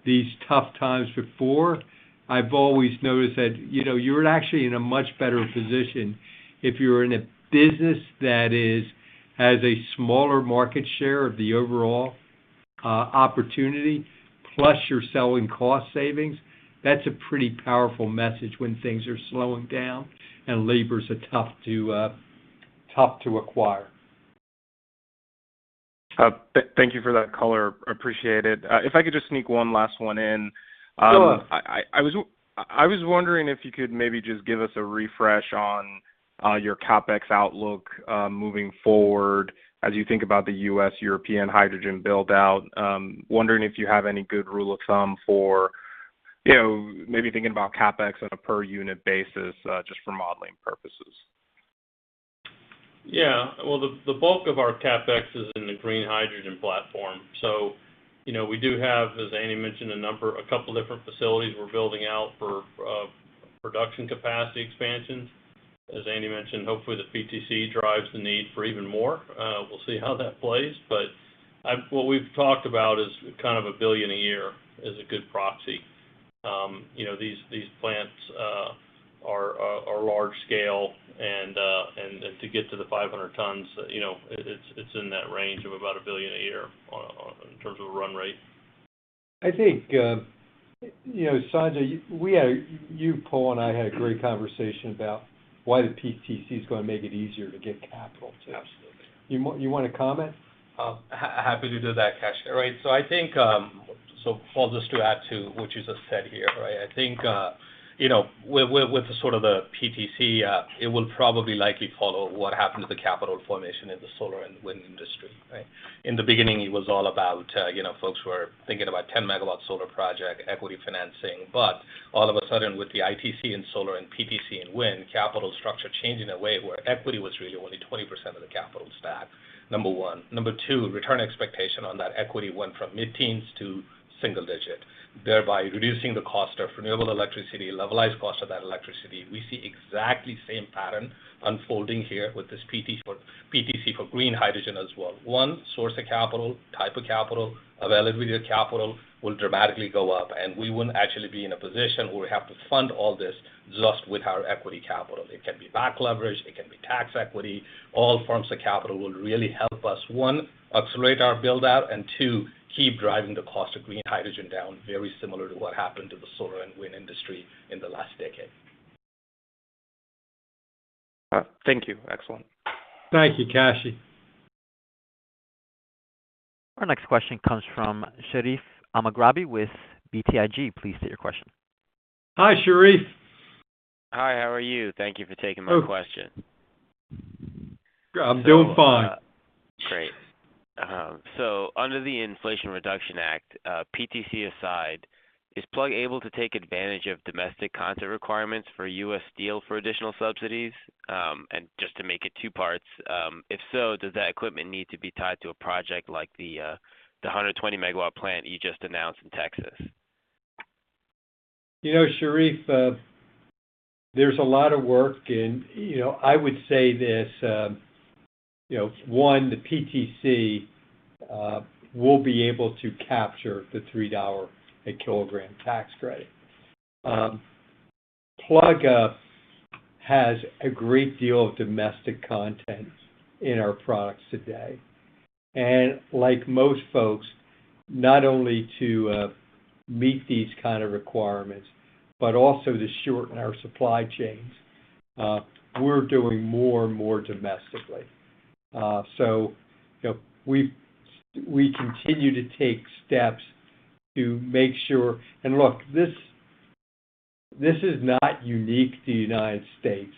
these tough times before, I've always noticed that, you know, you're actually in a much better position if you're in a business that has a smaller market share of the overall opportunity, plus you're selling cost savings. That's a pretty powerful message when things are slowing down and labor is tough to acquire. Thank you for that color. Appreciate it. If I could just sneak one last one in. Sure. I was wondering if you could maybe just give us a refresh on your CapEx outlook moving forward as you think about the U.S.-European hydrogen build-out. Wondering if you have any good rule of thumb for, you know, maybe thinking about CapEx on a per unit basis just for modeling purposes. Yeah. Well, the bulk of our CapEx is in the green hydrogen platform. You know, we do have, as Andy mentioned, a couple different facilities we're building out for production capacity expansions. As Andy mentioned, hopefully the PTC drives the need for even more. We'll see how that plays. What we've talked about is kind of $1 billion a year is a good proxy. You know, these plants are large scale and to get to the 500 tons, you know, it's in that range of about $1 billion a year on in terms of a run rate. I think, you know, Sanjay, you, Paul, and I had a great conversation about why the PTC is gonna make it easier to get capital too. Absolutely. You wanna comment? Happy to do that, Kashy. Right. I think, Paul, just to add to what you just said here, right? I think, you know, with the PTC, it will probably likely follow what happened to the capital formation in the solar and wind industry, right? In the beginning, it was all about, you know, folks who are thinking about 10 MW solar project, equity financing. All of a sudden, with the ITC in solar and PTC in wind, capital structure changed in a way where equity was really only 20% of the capital stack, number one. Number two, return expectation on that equity went from mid-teens to single-digit, thereby reducing the cost of renewable electricity, levelized cost of that electricity. We see exactly the same pattern unfolding here with this PTC for green hydrogen as well. One source of capital, type of capital, availability of capital will dramatically go up, and we will actually be in a position where we have to fund all this just with our equity capital. It can be back leverage, it can be tax equity. All forms of capital will really help us, one, accelerate our build-out, and two, keep driving the cost of green hydrogen down, very similar to what happened to the solar and wind industry in the last decade. All right. Thank you. Excellent. Thank you, Kashy. Our next question comes from Sherif Elmaghrabi with BTIG. Please state your question. Hi, Sherif. Hi. How are you? Thank you for taking my question. I'm doing fine. Great. Under the Inflation Reduction Act, PTC aside, is Plug able to take advantage of domestic content requirements for U.S. steel for additional subsidies? Just to make it two parts, if so, does that equipment need to be tied to a project like the 120 MW plant you just announced in Texas? You know, Sherif, there's a lot of work. You know, I would say this, you know, one, the PTC will be able to capture the $3 a kilogram tax credit. Plug has a great deal of domestic content in our products today. Like most folks, not only to meet these kind of requirements, but also to shorten our supply chains. We're doing more and more domestically. You know, we continue to take steps to make sure. Look, this is not unique to the United States.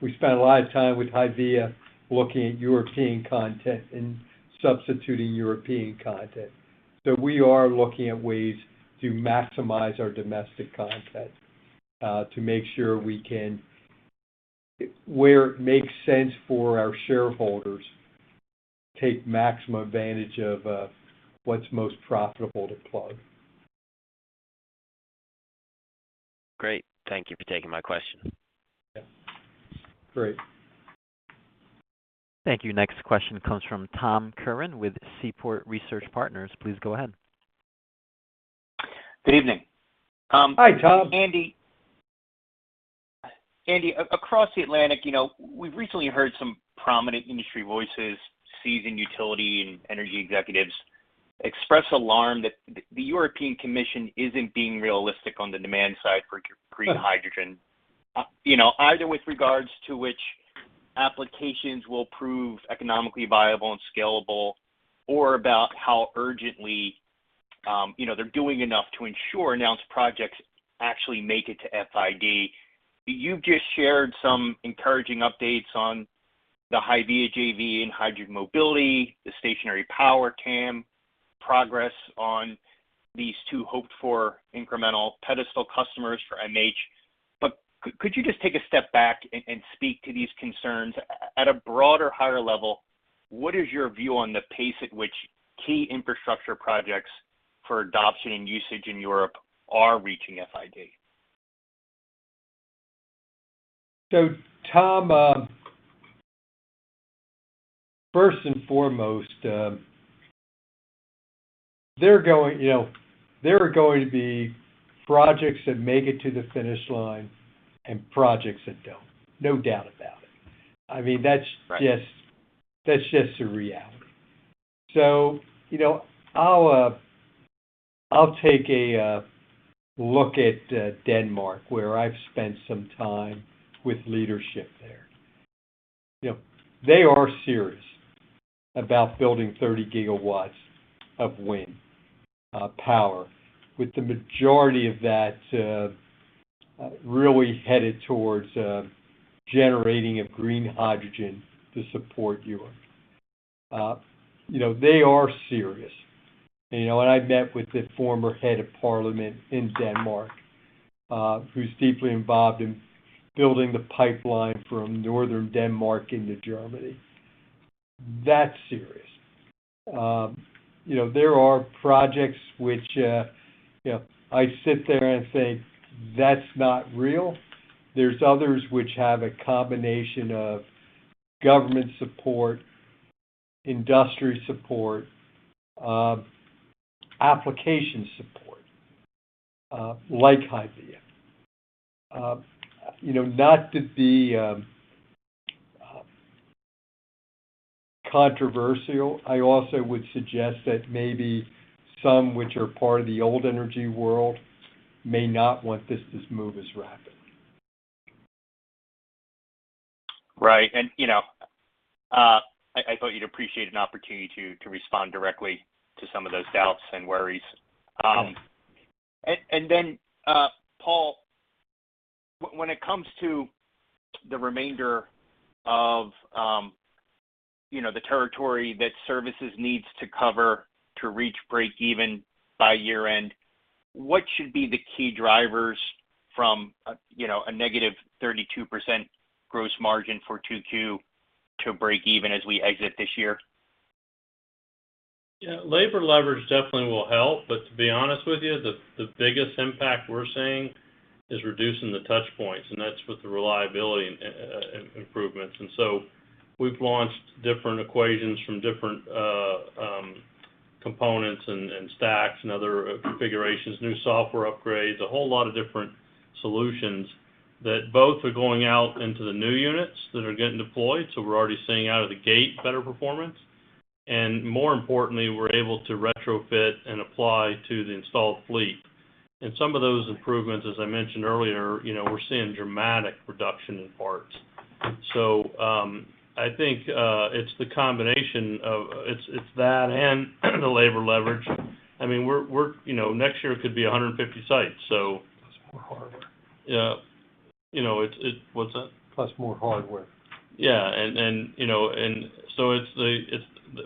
We spent a lot of time with HYVIA looking at European content and substituting European content. We are looking at ways to maximize our domestic content, to make sure we can, where it makes sense for our shareholders, take maximum advantage of, what's most profitable to Plug. Great. Thank you for taking my question. Yeah. Great. Thank you. Next question comes from Tom Curran with Seaport Research Partners. Please go ahead. Good evening. Hi, Tom. Andy, across the Atlantic, you know, we've recently heard some prominent industry voices, seasoned utility and energy executives express alarm that the European Commission isn't being realistic on the demand side for green hydrogen. You know, either with regards to which applications will prove economically viable and scalable, or about how urgently, you know, they're doing enough to ensure announced projects actually make it to FID. You've just shared some encouraging updates on the HYVIA JV and hydrogen mobility, the stationary power TAM progress on these two hoped-for incremental pedestal customers for MH. Could you just take a step back and speak to these concerns at a broader, higher level? What is your view on the pace at which key infrastructure projects for adoption and usage in Europe are reaching FID? Tom, first and foremost, they're going, you know, there are going to be projects that make it to the finish line and projects that don't, no doubt about it. I mean, that's. Right. That's just the reality. You know, I'll take a look at Denmark, where I've spent some time with leadership there. You know, they are serious about building 30 gigawatts of wind power, with the majority of that really headed towards generating of green hydrogen to support Europe. You know, they are serious. You know, I've met with the former head of parliament in Denmark, who's deeply involved in building the pipeline from northern Denmark into Germany. That's serious. You know, there are projects which, you know, I sit there and say, "That's not real." There's others which have a combination of government support, industry support, application support, like HYVIA. You know, not to be controversial, I also would suggest that maybe some which are part of the old energy world may not want this to move as rapid. Right. You know, I thought you'd appreciate an opportunity to respond directly to some of those doubts and worries. Then, Paul, when it comes to the remainder of, you know, the territory that services needs to cover to reach break even by year-end, what should be the key drivers from a, you know, a negative 32% gross margin for 2Q to break even as we exit this year? Yeah. Labor leverage definitely will help, but to be honest with you, the biggest impact we're seeing is reducing the touch points, and that's with the reliability improvements. We've launched different iterations of different components and stacks and other configurations, new software upgrades, a whole lot of different solutions that both are going out into the new units that are getting deployed. We're already seeing out of the gate better performance. More importantly, we're able to retrofit and apply to the installed fleet. Some of those improvements, as I mentioned earlier, you know, we're seeing dramatic reduction in parts. I think it's the combination of that and the labor leverage. I mean, we're you know, next year could be 150 sites. Plus more hardware. Yeah. You know, it. What's that? Plus more hardware. Yeah. You know,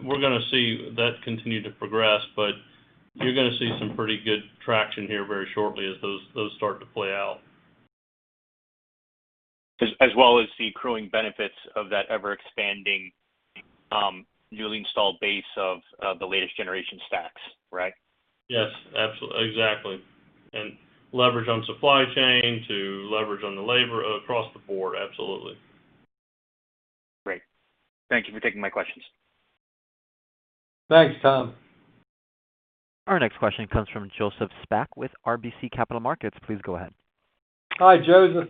we're gonna see that continue to progress, but you're gonna see some pretty good traction here very shortly as those start to play out. As well as the accruing benefits of that ever-expanding, newly installed base of the latest generation stacks, right? Yes, exactly. Leverage on supply chain to leverage on the labor across the board. Absolutely. Great. Thank you for taking my questions. Thanks, Tom. Our next question comes from Joseph Spak with RBC Capital Markets. Please go ahead. Hi, Joseph.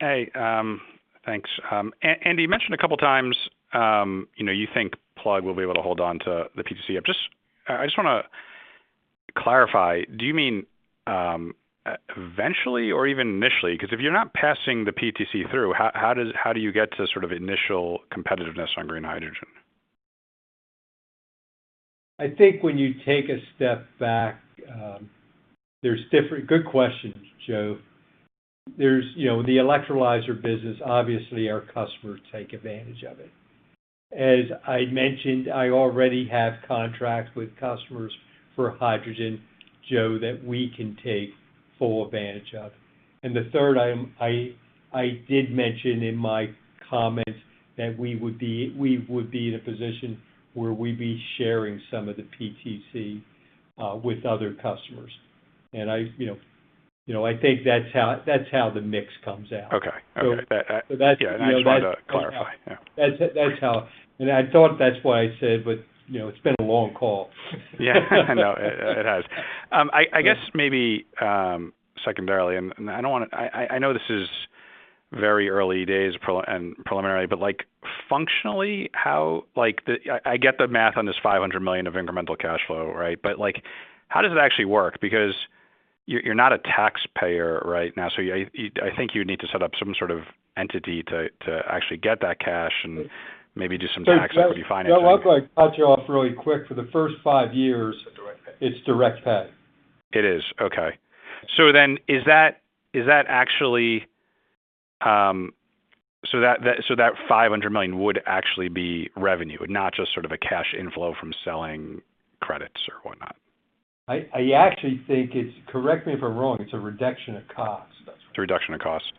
Hey, thanks. Andy, you mentioned a couple times, you know, you think Plug will be able to hold on to the PTC. I just wanna clarify, do you mean eventually or even initially? 'Cause if you're not passing the PTC through, how do you get to sort of initial competitiveness on green hydrogen? I think when you take a step back. Good question, Joe. There's, you know, the electrolyzer business, obviously, our customers take advantage of it. As I'd mentioned, I already have contracts with customers for hydrogen, Joe, that we can take full advantage of. The third item, I did mention in my comments that we would be in a position where we'd be sharing some of the PTC with other customers. I think that's how the mix comes out. Okay. Okay. So that- Yeah. I just wanted to clarify. Yeah. That's how. I thought that's what I said, but, you know, it's been a long call. Yeah. No, it has. I guess maybe secondarily, and I don't wanna, I know this is very early days and preliminary, but like, functionally, how. Like, I get the math on this $500 million of incremental cash flow, right? But like, how does it actually work? Because you're not a taxpayer right now, so I think you need to set up some sort of entity to actually get that cash and maybe do some tax equity financing. Joe, I'd like to cut you off really quick. For the first five years. It's direct pay. It's direct pay. It is? Okay. Is that actually so that $500 million would actually be revenue, not just sort of a cash inflow from selling credits or whatnot? I actually think, correct me if I'm wrong, it's a reduction of cost. It's a reduction of cost.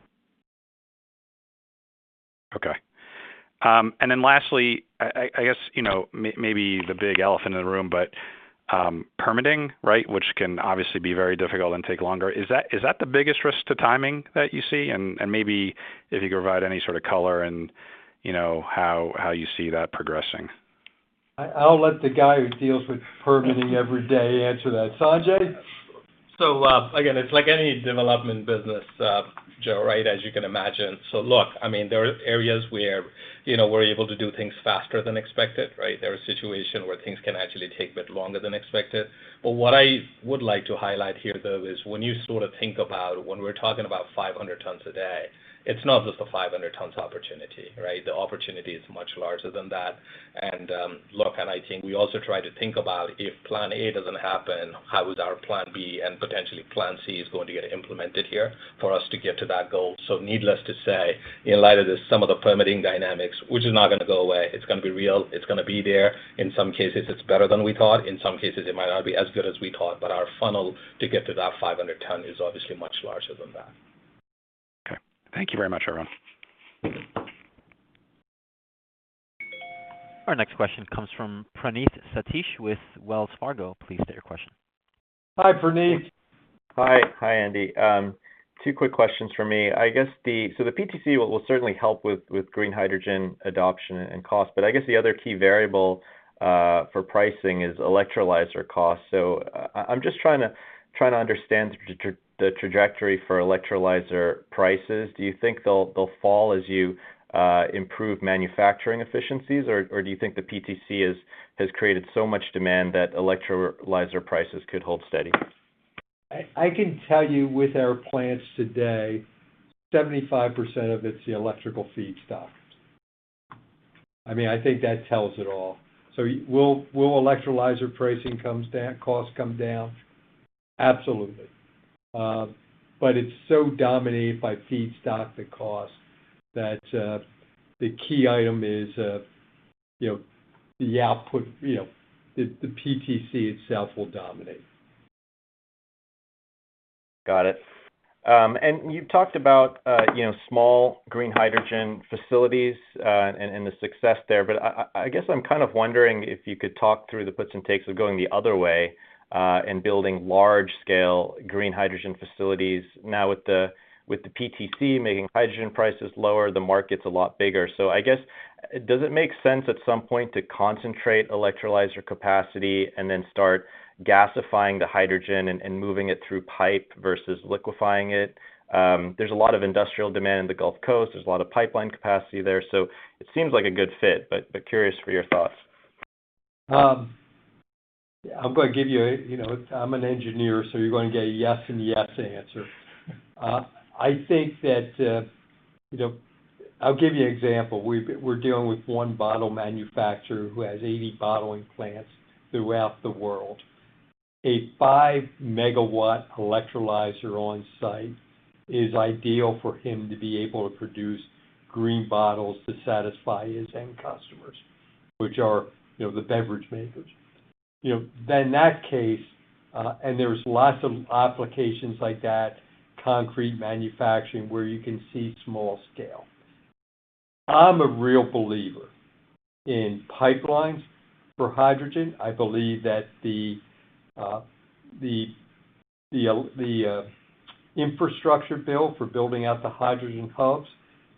Okay. Then lastly, I guess, you know, maybe the big elephant in the room, but permitting, right? Which can obviously be very difficult and take longer. Is that the biggest risk to timing that you see? Maybe if you could provide any sort of color and, you know, how you see that progressing. I'll let the guy who deals with permitting every day answer that. Sanjay? Again, it's like any development business, Joe, right? As you can imagine. Look, I mean, there are areas where, you know, we're able to do things faster than expected, right? There are situations where things can actually take a bit longer than expected. But what I would like to highlight here, though, is when you sort of think about when we're talking about 500 tons a day, it's not just a 500 tons opportunity, right? The opportunity is much larger than that. Look, and I think we also try to think about if plan A doesn't happen, how is our plan B and potentially plan C is going to get implemented here for us to get to that goal. Needless to say, in light of this, some of the permitting dynamics, which is not gonna go away, it's gonna be real, it's gonna be there. In some cases, it's better than we thought. In some cases, it might not be as good as we thought, but our funnel to get to that 500 ton is obviously much larger than that. Okay. Thank you very much, everyone. Our next question comes from Praneeth Satish with Wells Fargo. Please state your question. Hi, Praneeth. Hi. Hi, Andy. Two quick questions from me. The PTC will certainly help with green hydrogen adoption and cost, but I guess the other key variable for pricing is electrolyzer cost. I'm just trying to understand the trajectory for electrolyzer prices. Do you think they'll fall as you improve manufacturing efficiencies? Or do you think the PTC has created so much demand that electrolyzer prices could hold steady? I can tell you with our plants today, 75% of it's the electrical feedstock. I mean, I think that tells it all. Will electrolyzer pricing come down, costs come down? Absolutely. But it's so dominated by feedstock, the cost, that the key item is, you know, the output, you know, the PTC itself will dominate. Got it. You've talked about, you know, small green hydrogen facilities, and the success there. I guess I'm kind of wondering if you could talk through the puts and takes of going the other way, and building large scale green hydrogen facilities. Now with the PTC making hydrogen prices lower, the market's a lot bigger. I guess, does it make sense at some point to concentrate electrolyzer capacity and then start gasifying the hydrogen and moving it through pipe versus liquefying it? There's a lot of industrial demand in the Gulf Coast. There's a lot of pipeline capacity there. It seems like a good fit, curious for your thoughts. I'm gonna give you a, you know, I'm an engineer, so you're gonna get a yes and yes answer. I think that, you know, I'll give you an example. We're dealing with one bottle manufacturer who has 80 bottling plants throughout the world. A 5 MW electrolyzer on site is ideal for him to be able to produce green bottles to satisfy his end customers, which are, you know, the beverage makers. You know, then that case, and there's lots of applications like that, concrete manufacturing, where you can see small scale. I'm a real believer in pipelines for hydrogen. I believe that the infrastructure bill for building out the hydrogen hubs.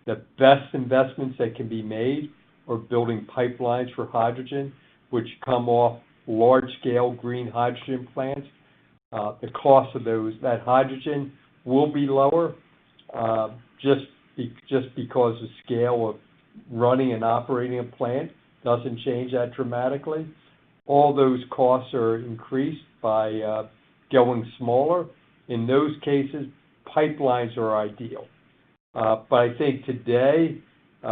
The best investments that can be made are building pipelines for hydrogen, which come off large-scale green hydrogen plants. The cost of those, that hydrogen will be lower, just because the scale of running and operating a plant doesn't change that dramatically. All those costs are increased by going smaller. In those cases, pipelines are ideal. I think today, you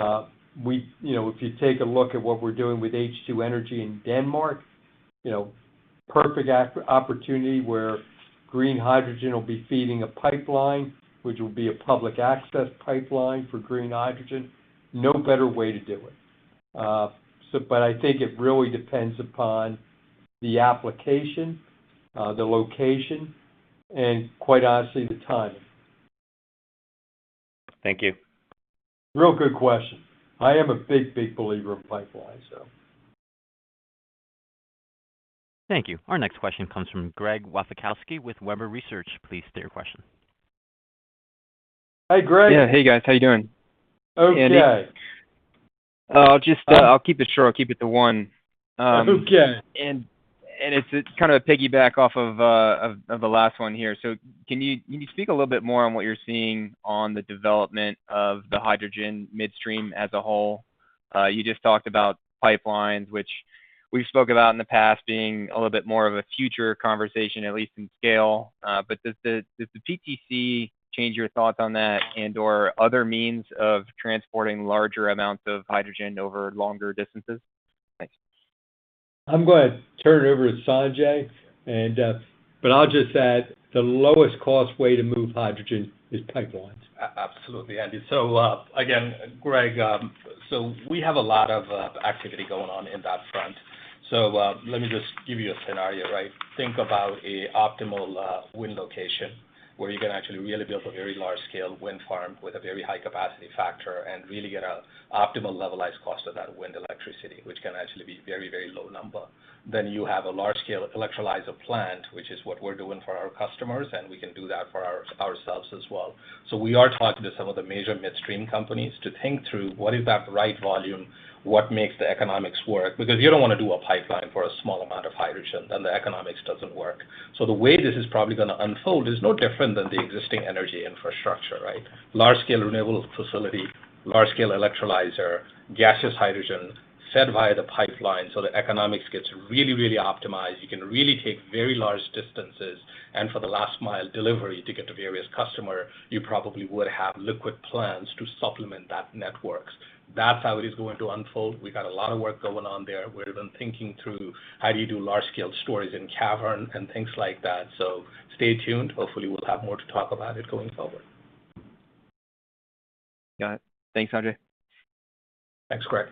know, if you take a look at what we're doing with H2 Energy in Denmark, you know, perfect opportunity where green hydrogen will be feeding a pipeline, which will be a public access pipeline for green hydrogen. No better way to do it. I think it really depends upon the application, the location, and quite honestly, the timing. Thank you. Really good question. I am a big believer in pipelines, so. Thank you. Our next question comes from Greg Wasikowski with Webber Research. Please state your question. Hi, Greg. Yeah. Hey, guys. How you doing? Okay. I'll keep it short, I'll keep it to one. Okay. It's kind of a piggyback off of the last one here. Can you speak a little bit more on what you're seeing on the development of the hydrogen midstream as a whole? You just talked about pipelines, which we've spoken about in the past being a little bit more of a future conversation, at least in scale. Does the PTC change your thoughts on that and/or other means of transporting larger amounts of hydrogen over longer distances? Thanks. I'm gonna turn it over to Sanjay. I'll just add the lowest cost way to move hydrogen is pipelines. Absolutely, Andy. Again, Greg, we have a lot of activity going on in that front. Let me just give you a scenario, right? Think about a optimal wind location where you can actually really build a very large scale wind farm with a very high capacity factor and really get a optimal levelized cost of that wind electricity, which can actually be very, very low number. Then you have a large scale electrolyzer plant, which is what we're doing for our customers, and we can do that for ourselves as well. We are talking to some of the major midstream companies to think through what is that right volume, what makes the economics work, because you don't wanna do a pipeline for a small amount of hydrogen, then the economics doesn't work. The way this is probably gonna unfold is no different than the existing energy infrastructure, right? Large-scale renewable facility, large-scale electrolyzer, gaseous hydrogen fed via the pipeline so the economics gets really, really optimized. You can really take very large distances. For the last mile delivery to get to various customers, you probably would have liquid plants to supplement that network. That's how it is going to unfold. We got a lot of work going on there. We're even thinking through how do you do large-scale storage in caverns and things like that. Stay tuned. Hopefully, we'll have more to talk about it going forward. Got it. Thanks, Sanjay. Thanks, Greg.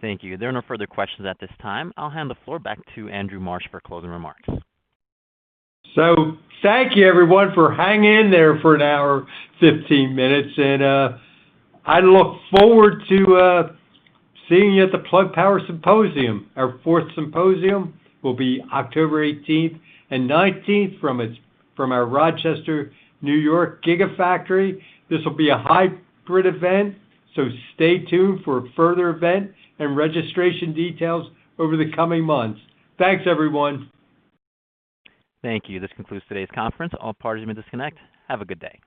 Thank you. There are no further questions at this time. I'll hand the floor back to Andrew Marsh for closing remarks. Thank you everyone for hanging in there for 1 hour, 15 minutes, and I look forward to seeing you at the Plug Power Symposium. Our fourth symposium will be October eighteenth and nineteenth from our Rochester, New York Gigafactory. This will be a hybrid event, so stay tuned for further event and registration details over the coming months. Thanks, everyone. Thank you. This concludes today's conference. All parties may disconnect. Have a good day.